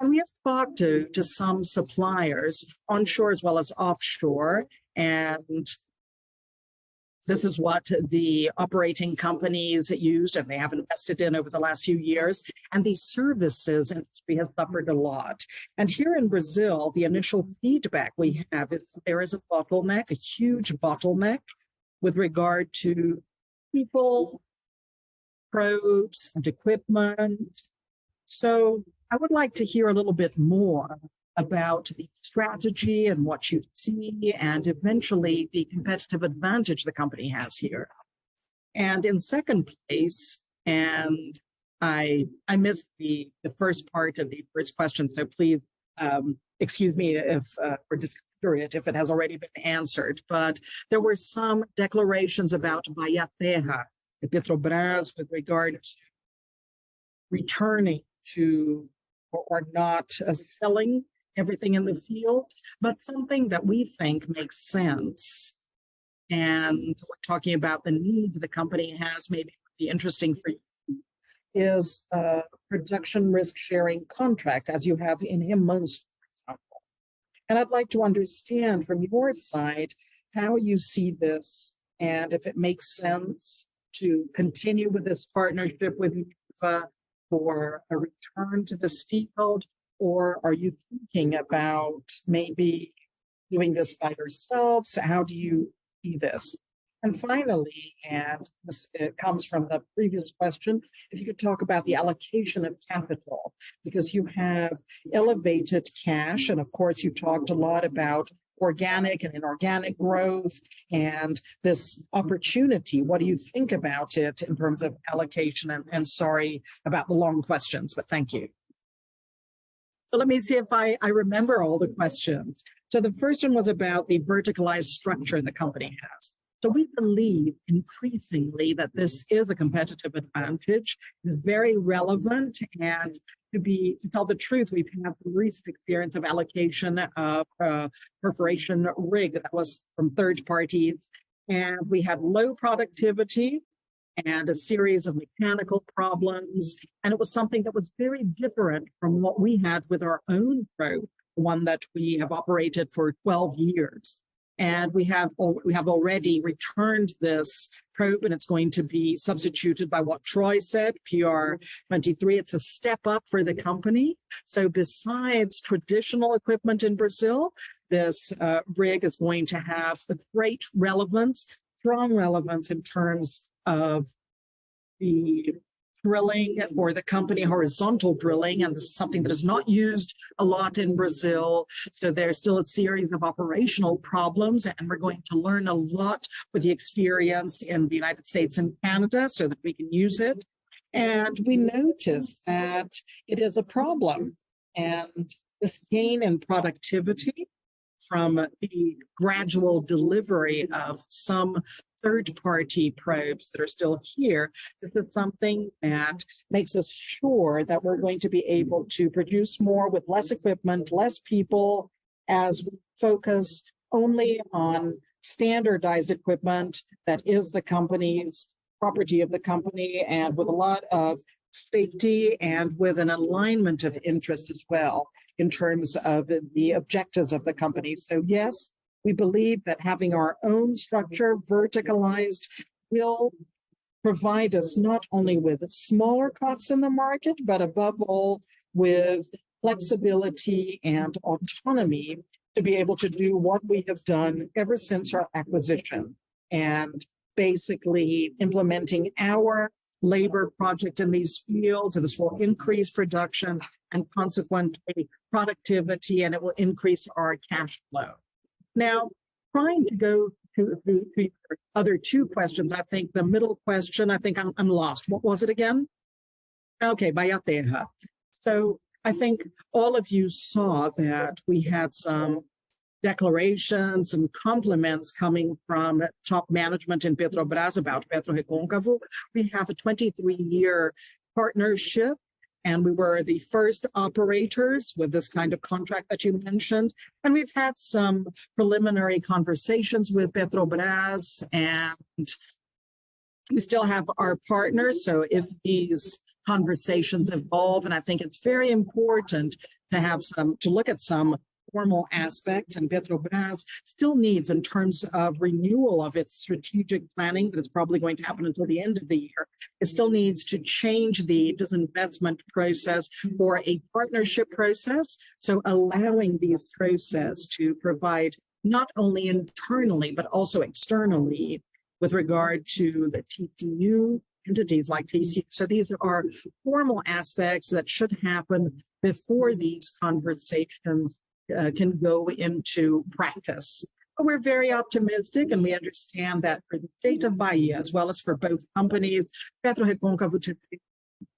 We have talked to, to some suppliers, onshore as well as offshore, and this is what the operating companies use, and they have invested in over the last few years, and the services industry has suffered a lot. Here in Brazil, the initial feedback we have is there is a bottleneck, a huge bottleneck with regard to people, probes, and equipment. I would like to hear a little bit more about the strategy and what you see, and eventually, the competitive advantage the company has here. In second place, and I, I missed the, the first part of the first question, please excuse me if or just ignore it if it has already been answered, there were some declarations about Bahia Terra, the Petrobras, with regard returning to or not selling everything in the field. Something that we think makes sense, we're talking about the needs the company has, maybe be interesting for you, is a production risk-sharing contract, as you have in amongst, for example. I'd like to understand from your side, how you see this, and if it makes sense to continue with this partnership with for a return to this field, or are you thinking about maybe doing this by yourselves? How do you see this? Finally, this comes from the previous question, if you could talk about the allocation of capital, because you have elevated cash, and of course, you've talked a lot about organic and inorganic growth and this opportunity. What do you think about it in terms of allocation? Sorry about the long questions, thank you. Let me see if I, I remember all the questions. The first one was about the verticalized structure the company has. We believe increasingly that this is a competitive advantage, very relevant, and to be- to tell the truth, we've had the recent experience of allocation of a perforation rig that was from third parties, and we had low productivity and a series of mechanical problems. It was something that was very different from what we had with our own probe, one that we have operated for 12 years. We have al- we have already returned this probe, and it's going to be substituted by what Troy said, PR 23. It's a step up for the company. Besides traditional equipment in Brazil, this rig is going to have a great relevance, strong relevance in terms of the drilling for the company, horizontal drilling, and this is something that is not used a lot in Brazil. There's still a series of operational problems, and we're going to learn a lot with the experience in the United States and Canada so that we can use it. We noticed that it is a problem, and this gain in productivity from the gradual delivery of some third-party probes that are still here, this is something that makes us sure that we're going to be able to produce more with less equipment, less people, as we focus only on standardized equipment that is property of the company, and with a lot of safety and with an alignment of interest as well, in terms of the objectives of the company. Yes, we believe that having our own structure verticalized will provide us not only with smaller costs in the market, but above all, with flexibility and autonomy to be able to do what we have done ever since our acquisition, and basically implementing our labor project in these fields, and this will increase production and consequently productivity, and it will increase our cash flow. Trying to go to the, the other two questions, I think the middle question, I think I'm, I'm lost. What was it again? Okay, Bahia Terra. I think all of you saw that we had some declarations and compliments coming from top management in Petrobras about PetroRecôncavo. We have a 23-year partnership, and we were the first operators with this kind of contract that you mentioned, and we've had some preliminary conversations with Petrobras, and we still have our partners. If these conversations evolve, and I think it's very important to have to look at formal aspects, and Petrobras still needs in terms of renewal of its strategic planning, but it's probably going to happen until the end of the year. It still needs to change the disinvestment process for a partnership process, so allowing these process to provide not only internally, but also externally with regard to the TTU entities like PC. These are formal aspects that should happen before these conversations can go into practice. But we're very optimistic, and we understand that for the state of Bahia, as well as for both companies, PetroRecôncavo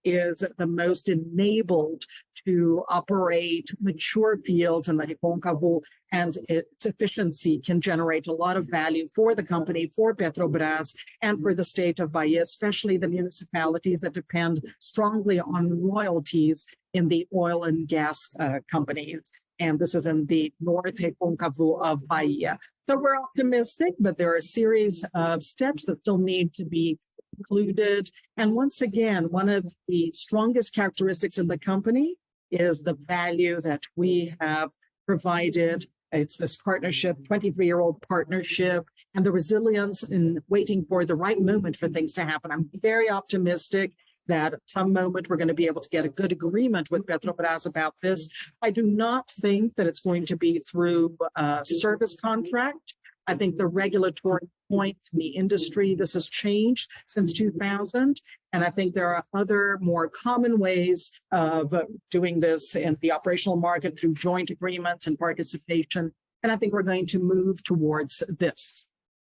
is the most enabled to operate mature fields in the Recôncavo, and its efficiency can generate a lot of value for the company, for Petrobras, and for the state of Bahia, especially the municipalities that depend strongly on royalties in the oil and gas companies, and this is in the norte Recôncavo of Bahia. We're optimistic, but there are a series of steps that still need to be concluded. Once again, one of the strongest characteristics of the company is the value that we have provided. It's this partnership, 23-year-old partnership, and the resilience in waiting for the right moment for things to happen. I'm very optimistic that at some moment we're going to be able to get a good agreement with Petrobras about this. I do not think that it's going to be through a service contract. I think the regulatory point in the industry, this has changed since 2000, and I think there are other more common ways of doing this in the operational market through joint agreements and participation, and I think we're going to move towards this.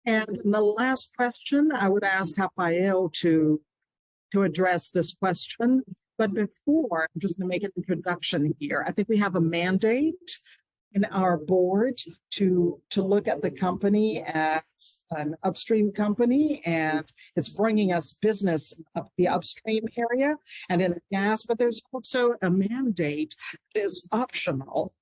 The last question, I would ask Rafael to address this question. Before, just to make an introduction here, I think we have a mandate in our board to look at the company as an upstream company, and it's bringing us business up the upstream area and in gas, but there's also a mandate that is optional.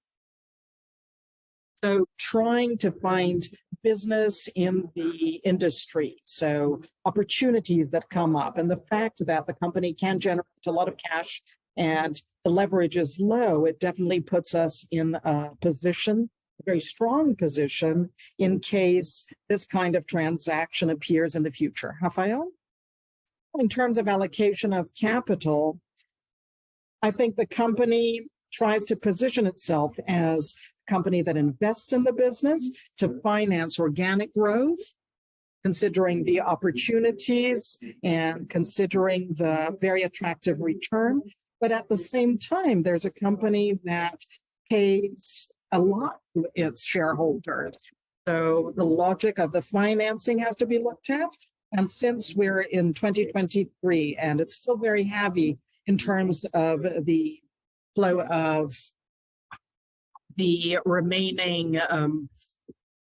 Trying to find business in the industry, so opportunities that come up. The fact that the company can generate a lot of cash and the leverage is low, it definitely puts us in a position, a very strong position, in case this kind of transaction appears in the future. Rafael? In terms of allocation of capital, I think the company tries to position itself as a company that invests in the business to finance organic growth, considering the opportunities and considering the very attractive return. At the same time, there's a company that pays a lot to its shareholders, so the logic of the financing has to be looked at. Since we're in 2023, and it's still very heavy in terms of the flow of the remaining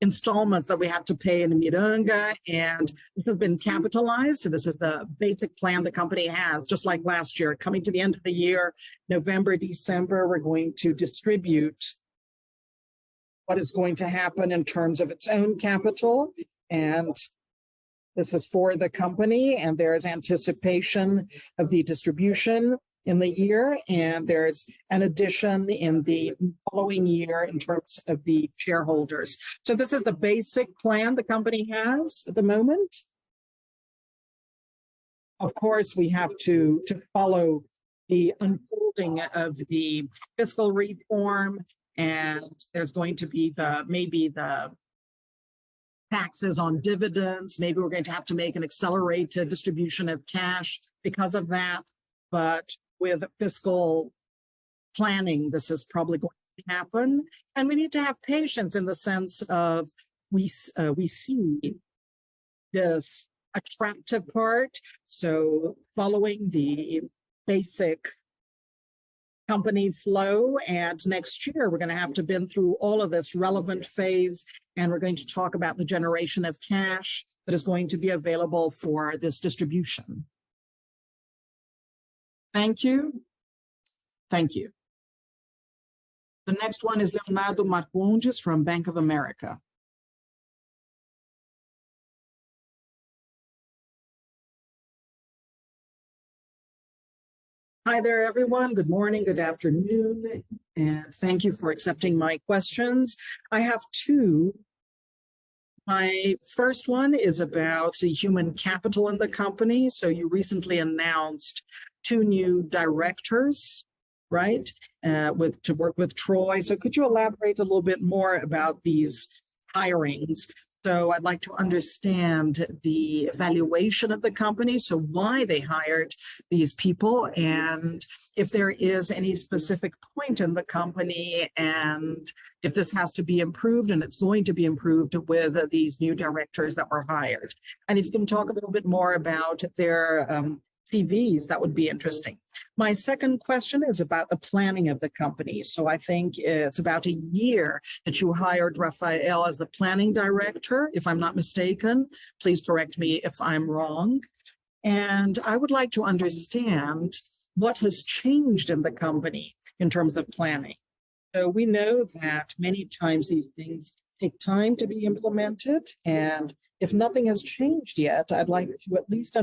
installments that we have to pay in the Miranga, and this has been capitalized. This is the basic plan the company has, just like last year. Coming to the end of the year, November, December, we're going to distribute what is going to happen in terms of its own capital, and this is for the company, and there is anticipation of the distribution in the year, and there's an addition in the following year in terms of the shareholders. This is the basic plan the company has at the moment. Of course, we have to, to follow the unfolding of the fiscal reform, and there's going to be the, maybe the taxes on dividends. Maybe we're going to have to make an accelerated distribution of cash because of that, but with fiscal planning, this is probably going to happen. We need to have patience in the sense of we see this attractive part, so following the basic company flow, and next year we're gonna have to been through all of this relevant phase, and we're going to talk about the generation of cash that is going to be available for this distribution. Thank you. Thank you. The next one is Leonardo Marcondes from Bank of America. Hi there, everyone. Good morning, good afternoon, and thank you for accepting my questions. I have two. My first one is about the human capital in the company. You recently announced two new directors, right? To work with Troy. Could you elaborate a little bit more about these hirings? I'd like to understand the valuation of the company, so why they hired these people, and if there is any specific point in the company, and if this has to be improved, and it's going to be improved with these new directors that were hired. If you can talk a little bit more about their CVs, that would be interesting. My second question is about the planning of the company. I think it's about a year that you hired Rafael as the planning director, if I'm not mistaken. Please correct me if I'm wrong. I would like to understand what has changed in the company in terms of planning. We know that many times these things take time to be implemented, and if nothing has changed yet, I'd like to at least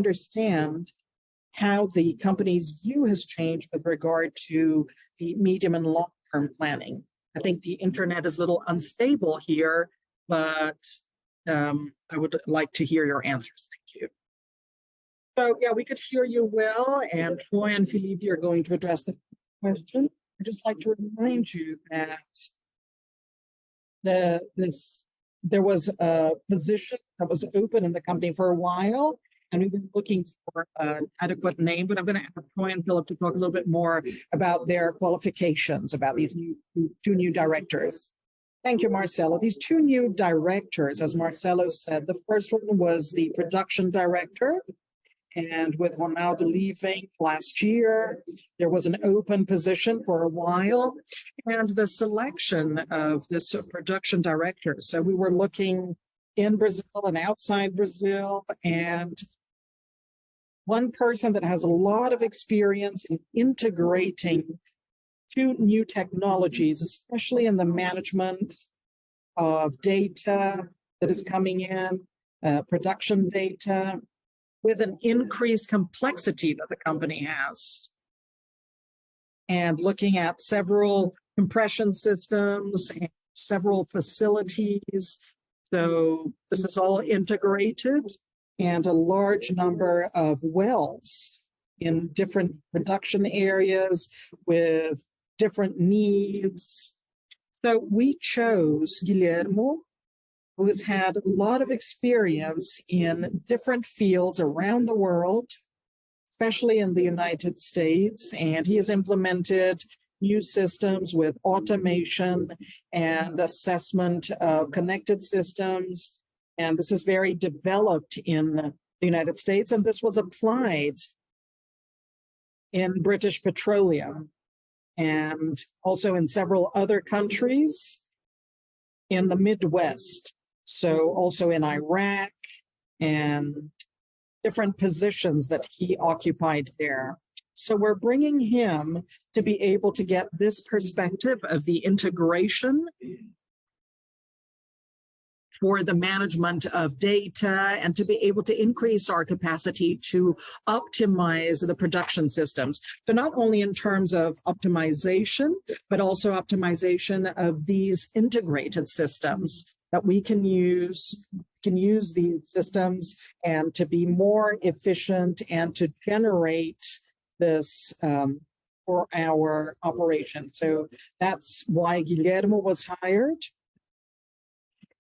understand how the company's view has changed with regard to the medium and long-term planning? I think the internet is a little unstable here, I would like to hear your answers. Thank you. Yeah, we could hear you well, and Troy and Philippe are going to address the question. I'd just like to remind you that there was a position that was open in the company for a while, and we've been looking for an adequate name, but I'm gonna ask Troy and Philippe to talk a little bit more about their qualifications, about these new, two new directors. Thank you, Marcelo. These two new directors, as Marcelo said, the first one was the production director. With Ronaldo leaving last year, there was an open position for a while, and the selection of this production director. We were looking in Brazil and outside Brazil, and one person that has a lot of experience in integrating two new technologies, especially in the management of data that is coming in, production data, with an increased complexity that the company has. Looking at several compression systems and several facilities, so this is all integrated, and a large number of wells in different production areas with different needs. We chose Guillermo, who has had a lot of experience in different fields around the world, especially in the United States, and he has implemented new systems with automation and assessment of connected systems, and this is very developed in the United States, and this was applied in British Petroleum, and also in several other countries in the Midwest, also in Iraq, and different positions that he occupied there. We're bringing him to be able to get this perspective of the integration for the management of data, and to be able to increase our capacity to optimize the production systems. Not only in terms of optimization, but also optimization of these integrated systems, that we can use, can use these systems and to be more efficient and to generate this for our operation. That's why Guillermo was hired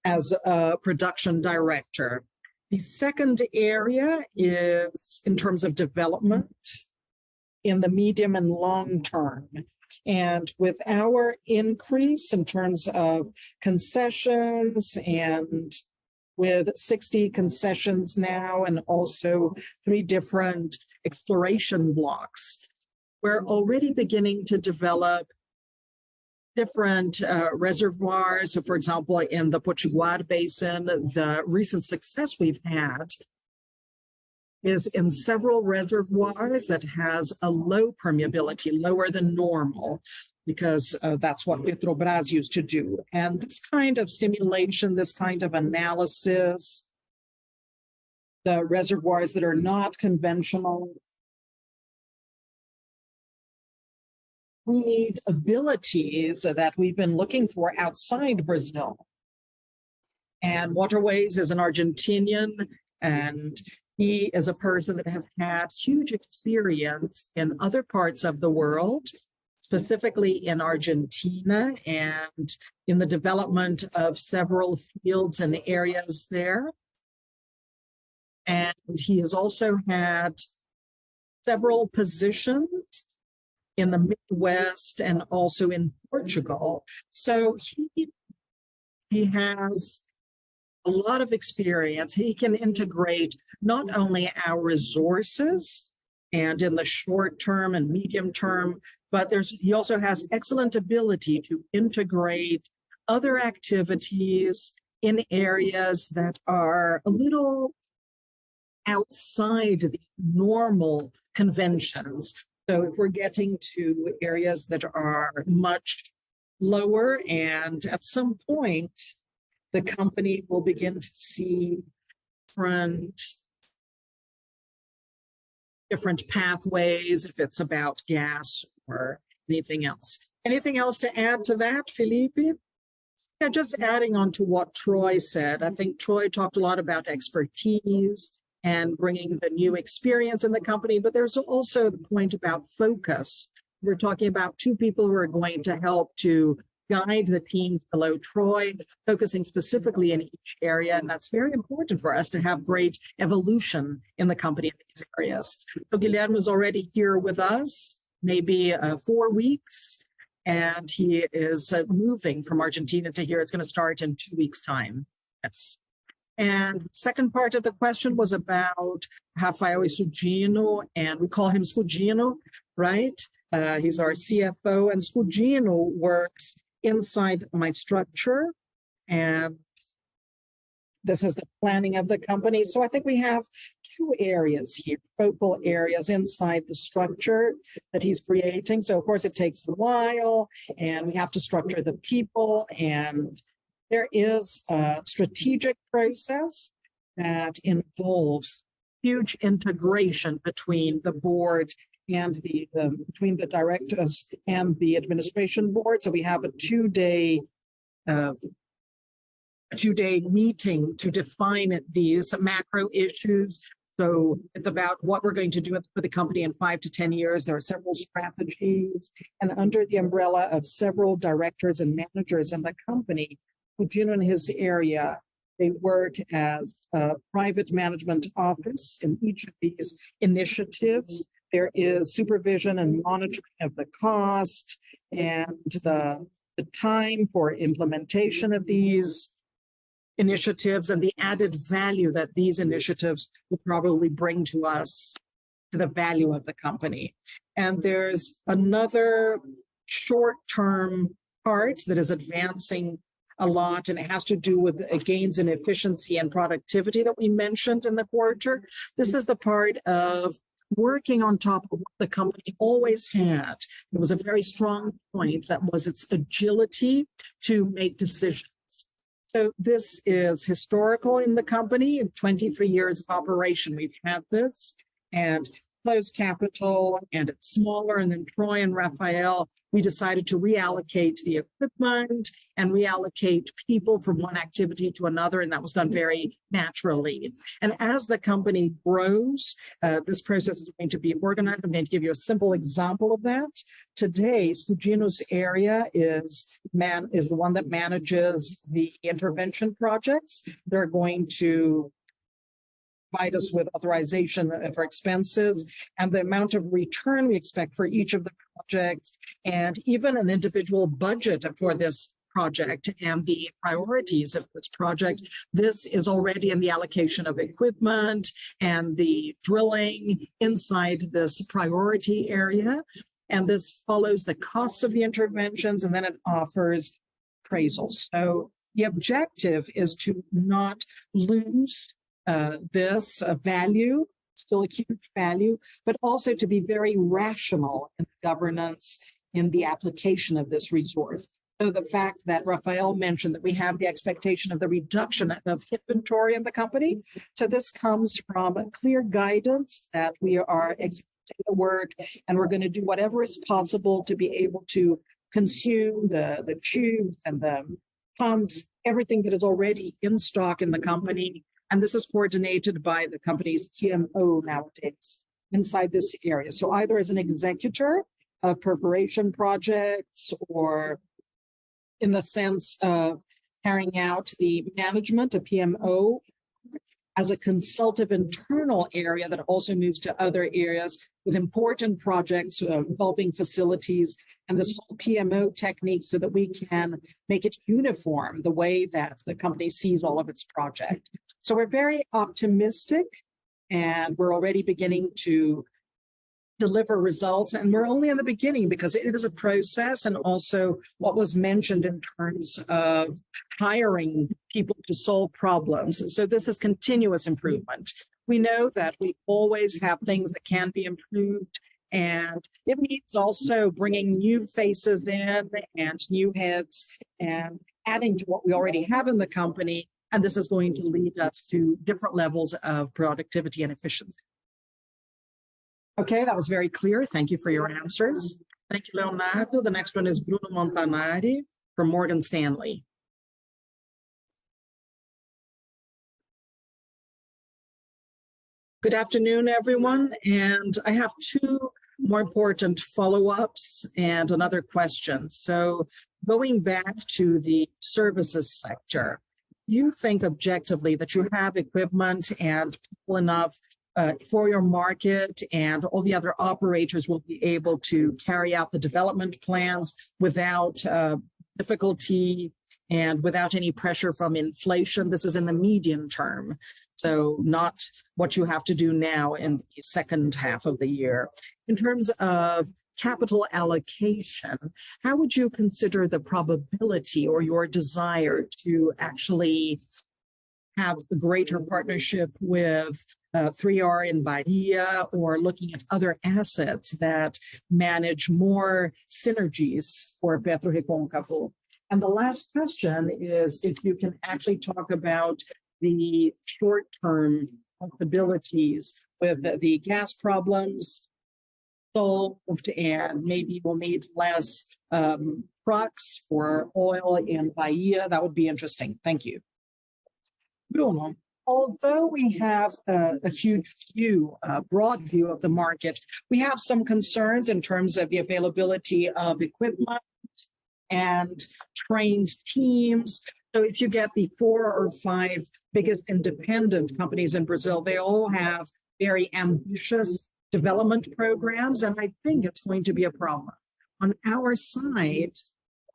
as a production director. The second area is in terms of development in the medium and long term, with our increase in terms of concessions and with 60 concessions now, also three different exploration blocks, we're already beginning to develop different, reservoirs. For example, in the Potiguar Basin, the recent success we've had is in several reservoirs that has a low permeability, lower than normal, because, that's what Petrobras used to do. This kind of stimulation, this kind of analysis, the reservoirs that are not conventional, we need abilities that we've been looking for outside Brazil. Waterways is an Argentinian, he is a person that has had huge experience in other parts of the world, specifically in Argentina, in the development of several fields and areas there. He has also had several positions in the Midwest and also in Portugal. He has a lot of experience. He can integrate not only our resources, and in the short term and medium term. He also has excellent ability to integrate other activities in areas that are a little outside the normal conventions. If we're getting to areas that are much lower, and at some point, the company will begin to see different, different pathways, if it's about gas or anything else. Anything else to add to that, Felipe? Yeah, just adding on to what Troy said, I think Troy talked a lot about expertise and bringing the new experience in the company, but there's also the point about focus. We're talking about two people who are going to help to guide the teams below Troy, focusing specifically in each area, and that's very important for us to have great evolution in the company in these areas. Guillermo is already here with us, maybe, four weeks, and he is moving from Argentina to here. It's gonna start in two weeks' time. Yes. Second part of the question was about Rafael Sugino, and we call him Sugino, right? He's our Chief Finacial Officer, and Sugino works inside my structure, and this is the planning of the company. I think we have two areas here, focal areas inside the structure that he's creating. Of course, it takes a while, and we have to structure the people. There is a strategic process that involves huge integration between the board and the between the directors and the administration board. We have a two-day, a two-day meeting to define these macro issues. It's about what we're going to do for the company in five to 10 years. There are several strategies, and under the umbrella of several directors and managers in the company, Sugino, in his area, they work as a private management office. In each of these initiatives, there is supervision and monitoring of the cost and the, the time for implementation of these initiatives, and the added value that these initiatives will probably bring to us, to the value of the company. There's another short-term part that is advancing a lot, and it has to do with the gains in efficiency and productivity that we mentioned in the quarter. This is the part of working on top of what the company always had. It was a very strong point. That was its agility to make decisions. This is historical in the company. In 23 years of operation, we've had this, and closed capital, and it's smaller. Troy and Rafael, we decided to reallocate the equipment and reallocate people from one activity to another, and that was done very naturally. As the company grows, this process is going to be organized. I'm going to give you a simple example of that. Today, Sugino's area is the one that manages the intervention projects. They're going to provide us with authorization for expenses and the amount of return we expect for each of the projects, and even an individual budget for this project, and the priorities of this project. This is already in the allocation of equipment and the drilling inside this priority area, and this follows the cost of the interventions, and then it offers appraisals. The objective is to not lose this value, still a huge value, but also to be very rational in governance in the application of this resource. The fact that Rafael mentioned that we have the expectation of the reduction of inventory in the company, this comes from a clear guidance that we are expecting the work, and we are going to do whatever is possible to be able to consume the, the tubes and the pumps, everything that is already in stock in the company, and this is coordinated by the company's PMO nowadays inside this area. Either as an executor of perforation projects, or in the sense of carrying out the management of PMO as a consultative internal area that also moves to other areas with important projects, involving facilities and the small PMO technique, so that we can make it uniform, the way that the company sees all of its project. We're very optimistic, and we're already beginning to deliver results, and we're only in the beginning because it is a process, and also what was mentioned in terms of hiring people to solve problems. This is continuous improvement. We know that we always have things that can be improved, and it means also bringing new faces in and new heads, and adding to what we already have in the company, and this is going to lead us to different levels of productivity and efficiency. Okay, that was very clear. Thank you for your answers. Thank you, Leonardo. The next one is Bruno Montanari from Morgan Stanley. Good afternoon, everyone, and I have two more important follow-ups and another question. Going back to the services sector, you think objectively that you have equipment and people enough for your market, and all the other operators will be able to carry out the development plans without difficulty and without any pressure from inflation? This is in the medium term, so not what you have to do now in the second half of the year. In terms of capital allocation, how would you consider the probability or your desire to actually have a greater partnership with 3R in Bahia, or looking at other assets that manage more synergies for PetroRecôncavo? The last question is, if you can actually talk about the short-term possibilities with the gas problems, so and maybe we'll need less procs for oil in Bahia. That would be interesting. Thank you. Bruno, although we have a huge view, a broad view of the market, we have some concerns in terms of the availability of equipment and trained teams. If you get the four or five biggest independent companies in Brazil, they all have very ambitious development programs, and I think it's going to be a problem. On our side,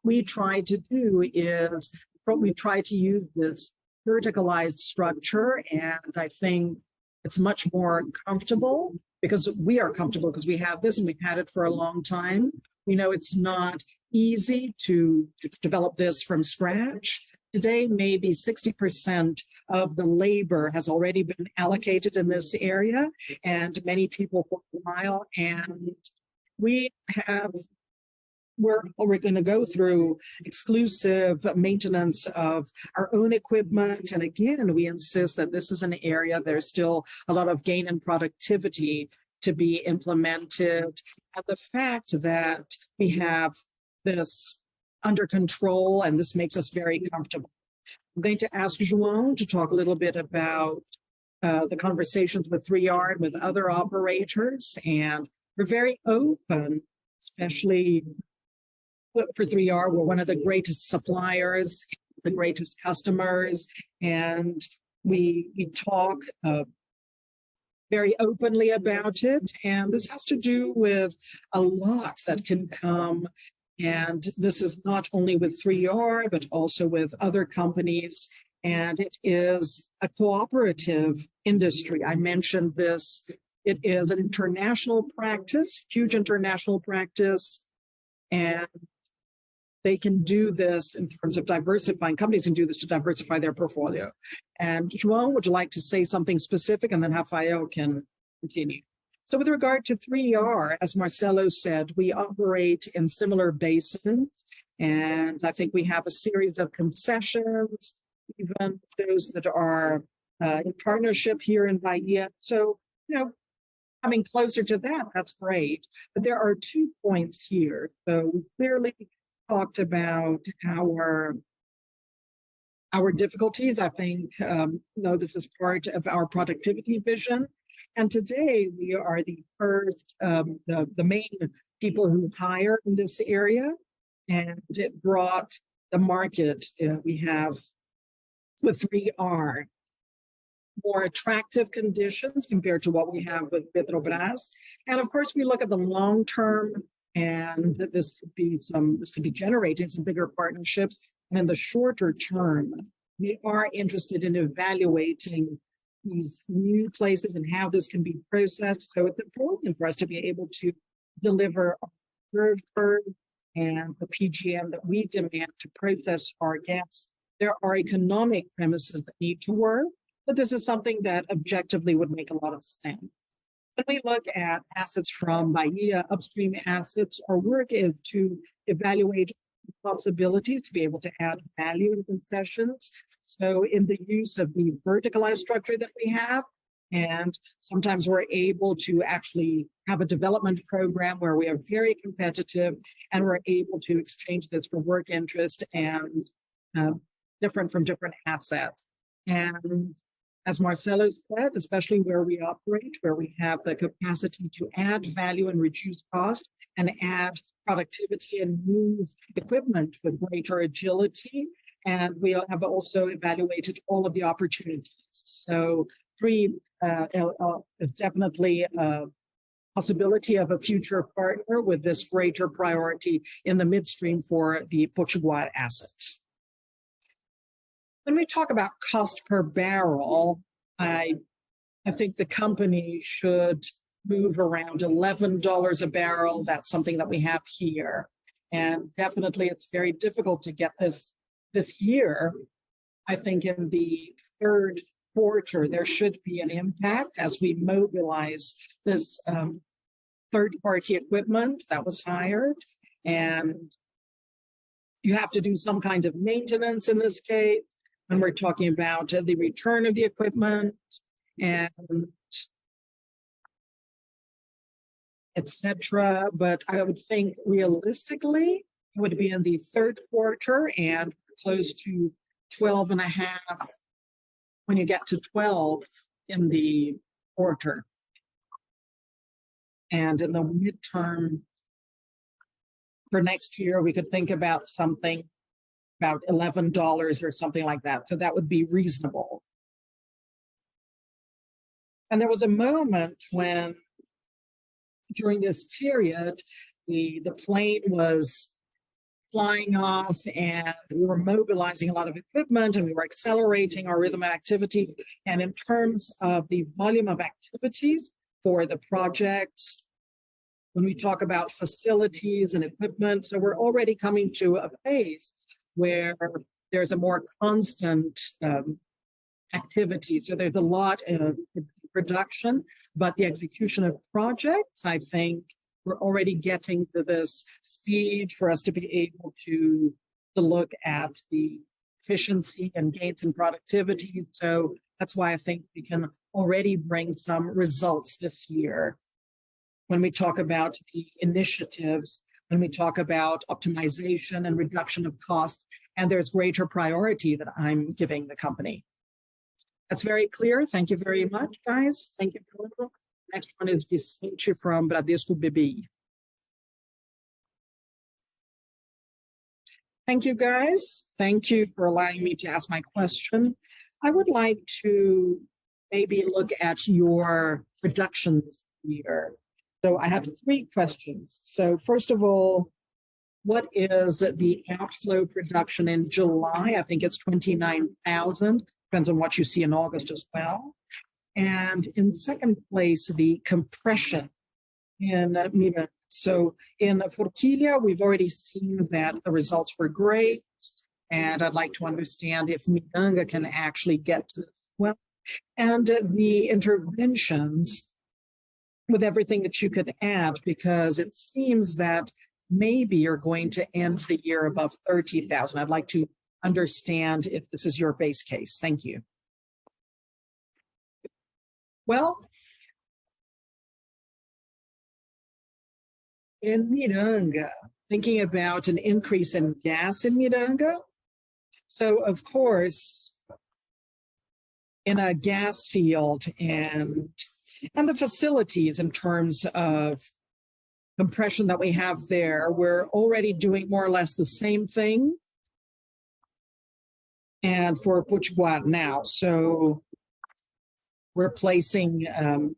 what we try to do is, we try to use this verticalized structure, and I think it's much more comfortable because we are comfortable because we have this, and we've had it for a long time. We know it's not easy to develop this from scratch. Today, maybe 60% of the labor has already been allocated in this area, and many people work for mile. We have, we're gonna go through exclusive maintenance of our own equipment. Again, we insist that this is an area there's still a lot of gain and productivity to be implemented, and the fact that we have this under control, and this makes us very comfortable. I'm going to ask João to talk a little bit about the conversations with 3R and with other operators. We're very open, especially for 3R, we're one of the greatest suppliers, the greatest customers, and we talk very openly about it, and this has to do with a lot that can come. This is not only with 3R, but also with other companies, and it is cooperative industry. I mentioned this, it is an international practice, huge international practice. They can do this in terms of diversifying. Companies can do this to diversify their portfolio. João, would you like to say something specific, and then Rafael can continue? With regard to 3R, as Marcelo said, we operate in similar basins, and I think we have a series of concessions, even those that are in partnership here in Bahia. You know, coming closer to that, that's great. There are two points here. We clearly talked about our, our difficulties. I think, you know, this is part of our productivity vision, and today we are the first, the main people who hire in this area, and it brought the market, we have with 3R. More attractive conditions compared to what we have with Petrobras. Of course, we look at the long term, and this could be generating some bigger partnerships. In the shorter term, we are interested in evaluating these new places and how this can be processed. It's important for us to be able to deliver third party and the PGN that we demand to process our gas. There are economic premises that need to work, but this is something that objectively would make a lot of sense. When we look at assets from Bahia upstream assets, our work is to evaluate the possibility to be able to add value and concessions. In the use of the verticalized structure that we have, and sometimes we're able to actually have a development program where we are very competitive, and we're able to exchange this for work interest and different from different assets. As Marcelo said, especially where we operate, where we have the capacity to add value and reduce cost and add productivity and move equipment with greater agility, we have also evaluated all of the opportunities. 3R is definitely a possibility of a future partner with this greater priority in the midstream for the Potiguar assets. When we talk about cost per barrel, I, I think the company should move around $11 a barrel. That's something that we have here, and definitely it's very difficult to get this, this year. I think in the third quarter, there should be an impact as we mobilize this third-party equipment that was hired, and you have to do some kind of maintenance in this case, and we're talking about the return of the equipment and etc. I would think realistically, it would be in the third quarter and close to $12.50 when you get to $12.00 in the quarter. In the midterm, for next year, we could think about something about $11.00 or something like that. That would be reasonable. There was a moment when, during this period, the, the plane was flying off and we were mobilizing a lot of equipment, and we were accelerating our rhythm of activity. In terms of the volume of activities for the projects, when we talk about facilities and equipment, we're already coming to a phase where there's a more constant activity. There's a lot in production, but the execution of projects, I think we're already getting to this stage for us to be able to, to look at the efficiency and gains in productivity. That's why I think we can already bring some results this year when we talk about the initiatives, when we talk about optimization and reduction of costs, and there's greater priority that I'm giving the company. That's very clear. Thank you very much, guys. Thank you. Next one is the speech from Bradesco BBI. Thank you, guys. Thank you for allowing me to ask my question. I would like to maybe look at your production this year. I have three questions. First of all, what is the outflow production in July? I think it's 29,000. Depends on what you see in August as well. In second place, the compression in Miranga. In Fortilia, we've already seen that the results were great, and I'd like to understand if Miranga can actually get to this well. The interventions...With everything that you could add, because it seems that maybe you're going to end the year above 30,000. I'd like to understand if this is your base case. Thank you. Well, in Miranga, thinking about an increase in gas in Miranga. Of course, in a gas field and, and the facilities in terms of compression that we have there, we're already doing more or less the same thing, and for Potiguar now. We're placing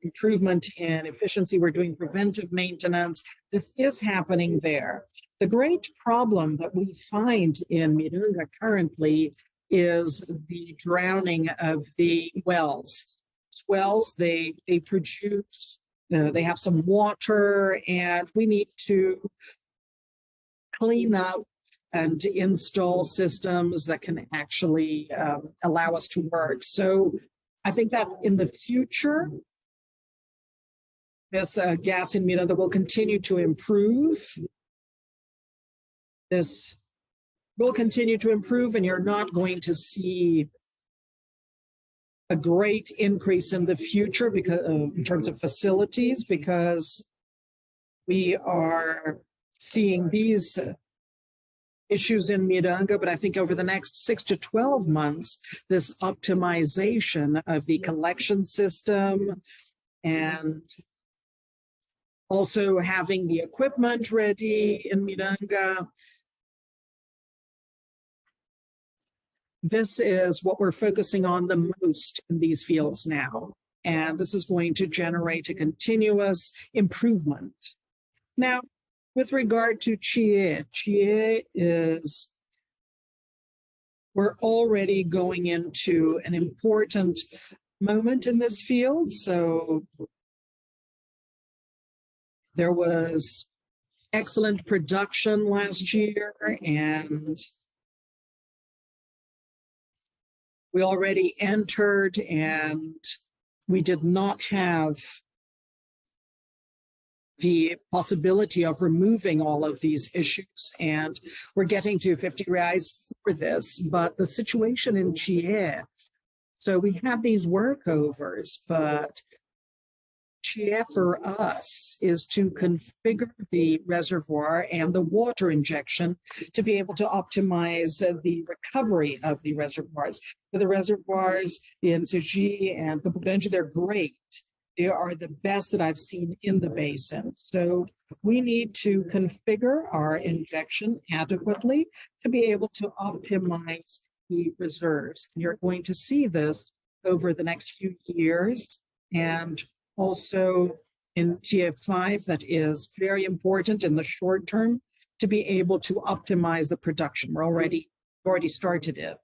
improvement in efficiency, we're doing preventive maintenance, this is happening there. The great problem that we find in Miranga currently is the drowning of the wells. These wells, they, they produce, they have some water, and we need to clean up and install systems that can actually allow us to work. I think that in the future, this gas in Miranga will continue to improve. This will continue to improve. You're not going to see a great increase in the future in terms of facilities, because we are seeing these issues in Miranga. I think over the next six to 12 months, this optimization of the collection system, and also having the equipment ready in Miranga, this is what we're focusing on the most in these fields now, and this is going to generate a continuous improvement. With regard to Chie, Chie is... We're already going into an important moment in this field. There was excellent production last year. We already entered. We did not have the possibility of removing all of these issues, and we're getting to 50 reais for this. The situation in Chie, we have these workovers, but Chie, for us, is to configure the reservoir and the water injection to be able to optimize the recovery of the reservoirs. For the reservoirs in Sugi and Pupuenga, they're great. They are the best that I've seen in the basin. We need to configure our injection adequately to be able to optimize the reserves. You're going to see this over the next few years, and also in GF 5, that is very important in the short term to be able to optimize the production. We're already, we already started it.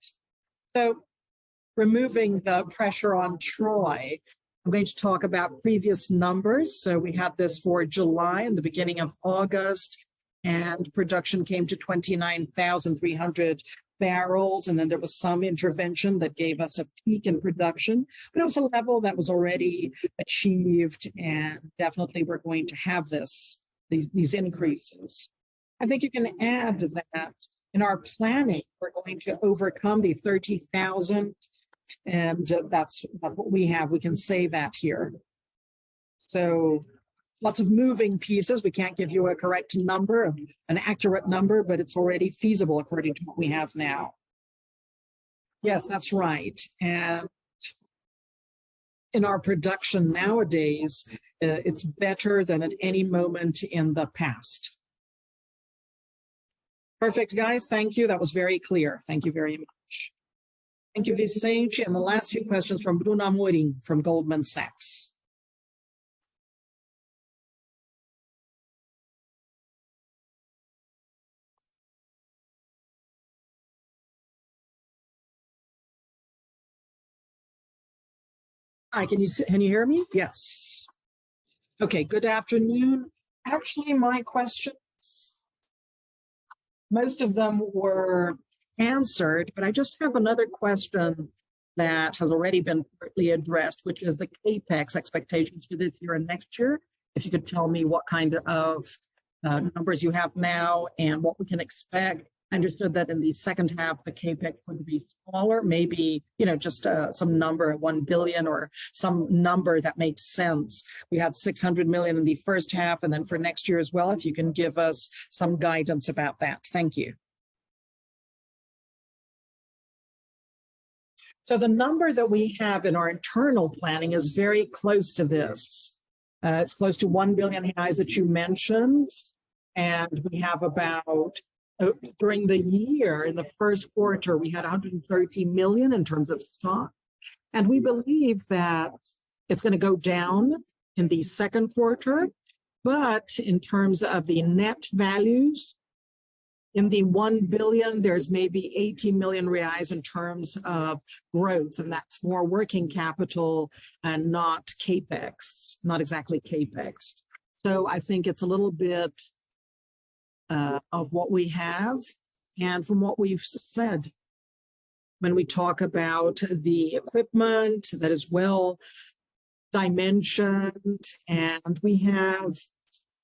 Removing the pressure on Troy, I'm going to talk about previous numbers. We had this for July and the beginning of August, production came to 29,300 barrels, then there was some intervention that gave us a peak in production, but it was a level that was already achieved, definitely we're going to have this, these, these increases. I think you can add that in our planning, we're going to overcome the 30,000, that's, that's what we have. We can say that here. Lots of moving pieces. We can't give you a correct number, an accurate number, but it's already feasible according to what we have now. Yes, that's right. In our production nowadays, it's better than at any moment in the past. Perfect, guys. Thank you. That was very clear. Thank you very much. Thank you, Vicente, the last few questions from Bruna Morkin, from Goldman Sachs. Hi, can you hear me? Yes. Okay, good afternoon. Actually, my questions, most of them were answered. I just have another question that has already been partly addressed, which is the CapEx expectations for this year and next year. If you could tell me what kind of numbers you have now and what we can expect. I understood that in the second half, the CapEx would be smaller, maybe, you know, just some number, 1 billion or some number that makes sense. We have 600 million in the first half. Then for next year as well, if you can give us some guidance about that. Thank you. The number that we have in our internal planning is very close to this. It's close to 1 billion that you mentioned, and we have about, during the year, in the first quarter, we had 130 million in terms of stock. We believe that it's gonna go down in the second quarter, but in terms of the net values, in the 1 billion, there's maybe 80 million reais in terms of growth, and that's more working capital and not CapEx, not exactly CapEx. I think it's a little bit of what we have, and from what we've said, when we talk about the equipment that is well dimensioned, and we have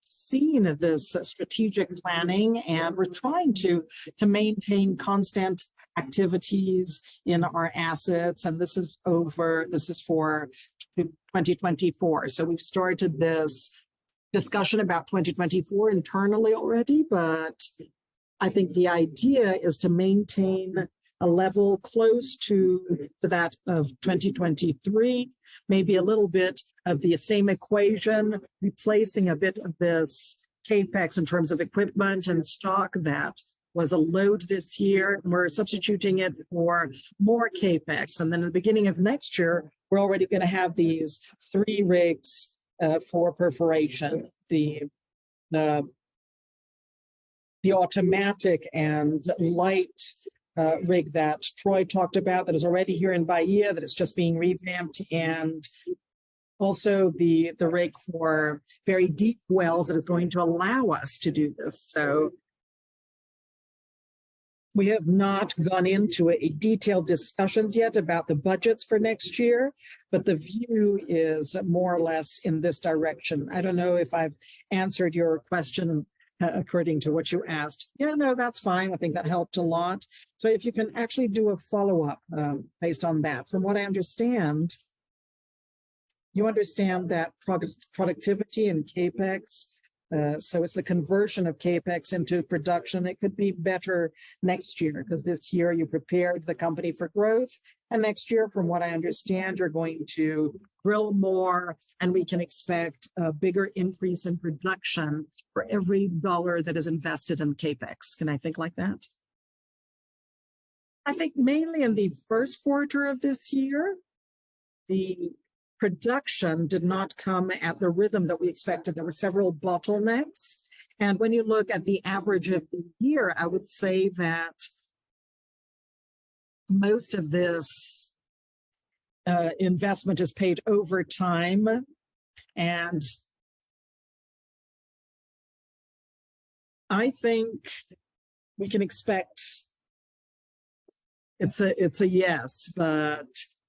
seen this strategic planning, and we're trying to, to maintain constant activities in our assets, and this is over-- this is for 2024. We've started this discussion about 2024 internally already, but I think the idea is to maintain a level close to that of 2023, maybe a little bit of the same equation, replacing a bit of this CapEx in terms of equipment and stock that was a load this year, and we're substituting it for more CapEx. Then in the beginning of next year, we're already gonna have these three rigs for perforation. The, the, the automatic and light rig that Troy talked about, that is already here in Bahia, that is just being revamped, and also the, the rig for very deep wells that is going to allow us to do this. We have not gone into a detailed discussions yet about the budgets for next year, but the view is more or less in this direction. I don't know if I've answered your question, according to what you asked. Yeah, no, that's fine. I think that helped a lot. If you can actually do a follow-up, based on that. From what I understand, you understand that productivity and CapEx, so it's the conversion of CapEx into production, it could be better next year, 'cause this year you prepared the company for growth, and next year, from what I understand, you're going to drill more, and we can expect a bigger increase in production for every dollar that is invested in CapEx. Can I think like that? I think mainly in the first quarter of this year, the production did not come at the rhythm that we expected. There were several bottlenecks. When you look at the average of the year, I would say that most of this investment is paid over time. I think we can expect... It's a, it's a yes, but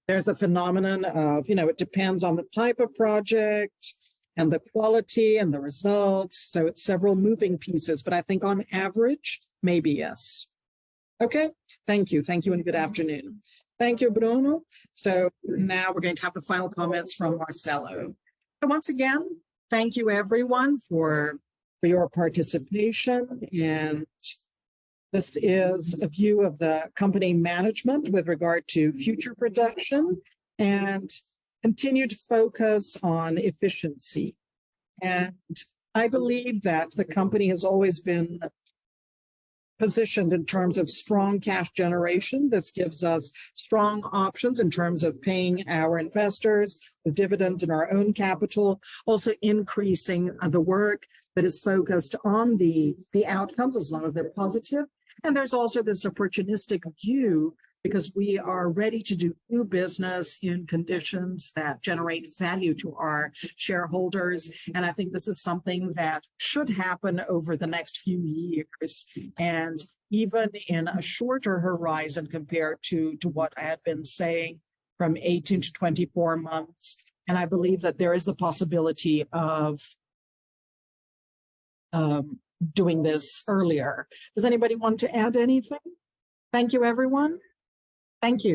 there's a phenomenon of, you know, it depends on the type of project and the quality and the results, so it's several moving pieces, but I think on average, maybe yes. Okay? Thank you. Thank you. Good afternoon. Thank you, Bruno. Now we're going to have the final comments from Marcelo. Once again, thank you everyone for, for your participation. This is a view of the company management with regard to future production and continued focus on efficiency. I believe that the company has always been positioned in terms of strong cash generation. This gives us strong options in terms of paying our investors, the dividends in our own capital, also increasing the work that is focused on the, the outcomes, as long as they're positive. There's also this opportunistic view, because we are ready to do new business in conditions that generate value to our shareholders. I think this is something that should happen over the next few years, and even in a shorter horizon compared to, to what I had been saying from 18-24 months. I believe that there is the possibility of doing this earlier. Does anybody want to add anything? Thank you, everyone. Thank you.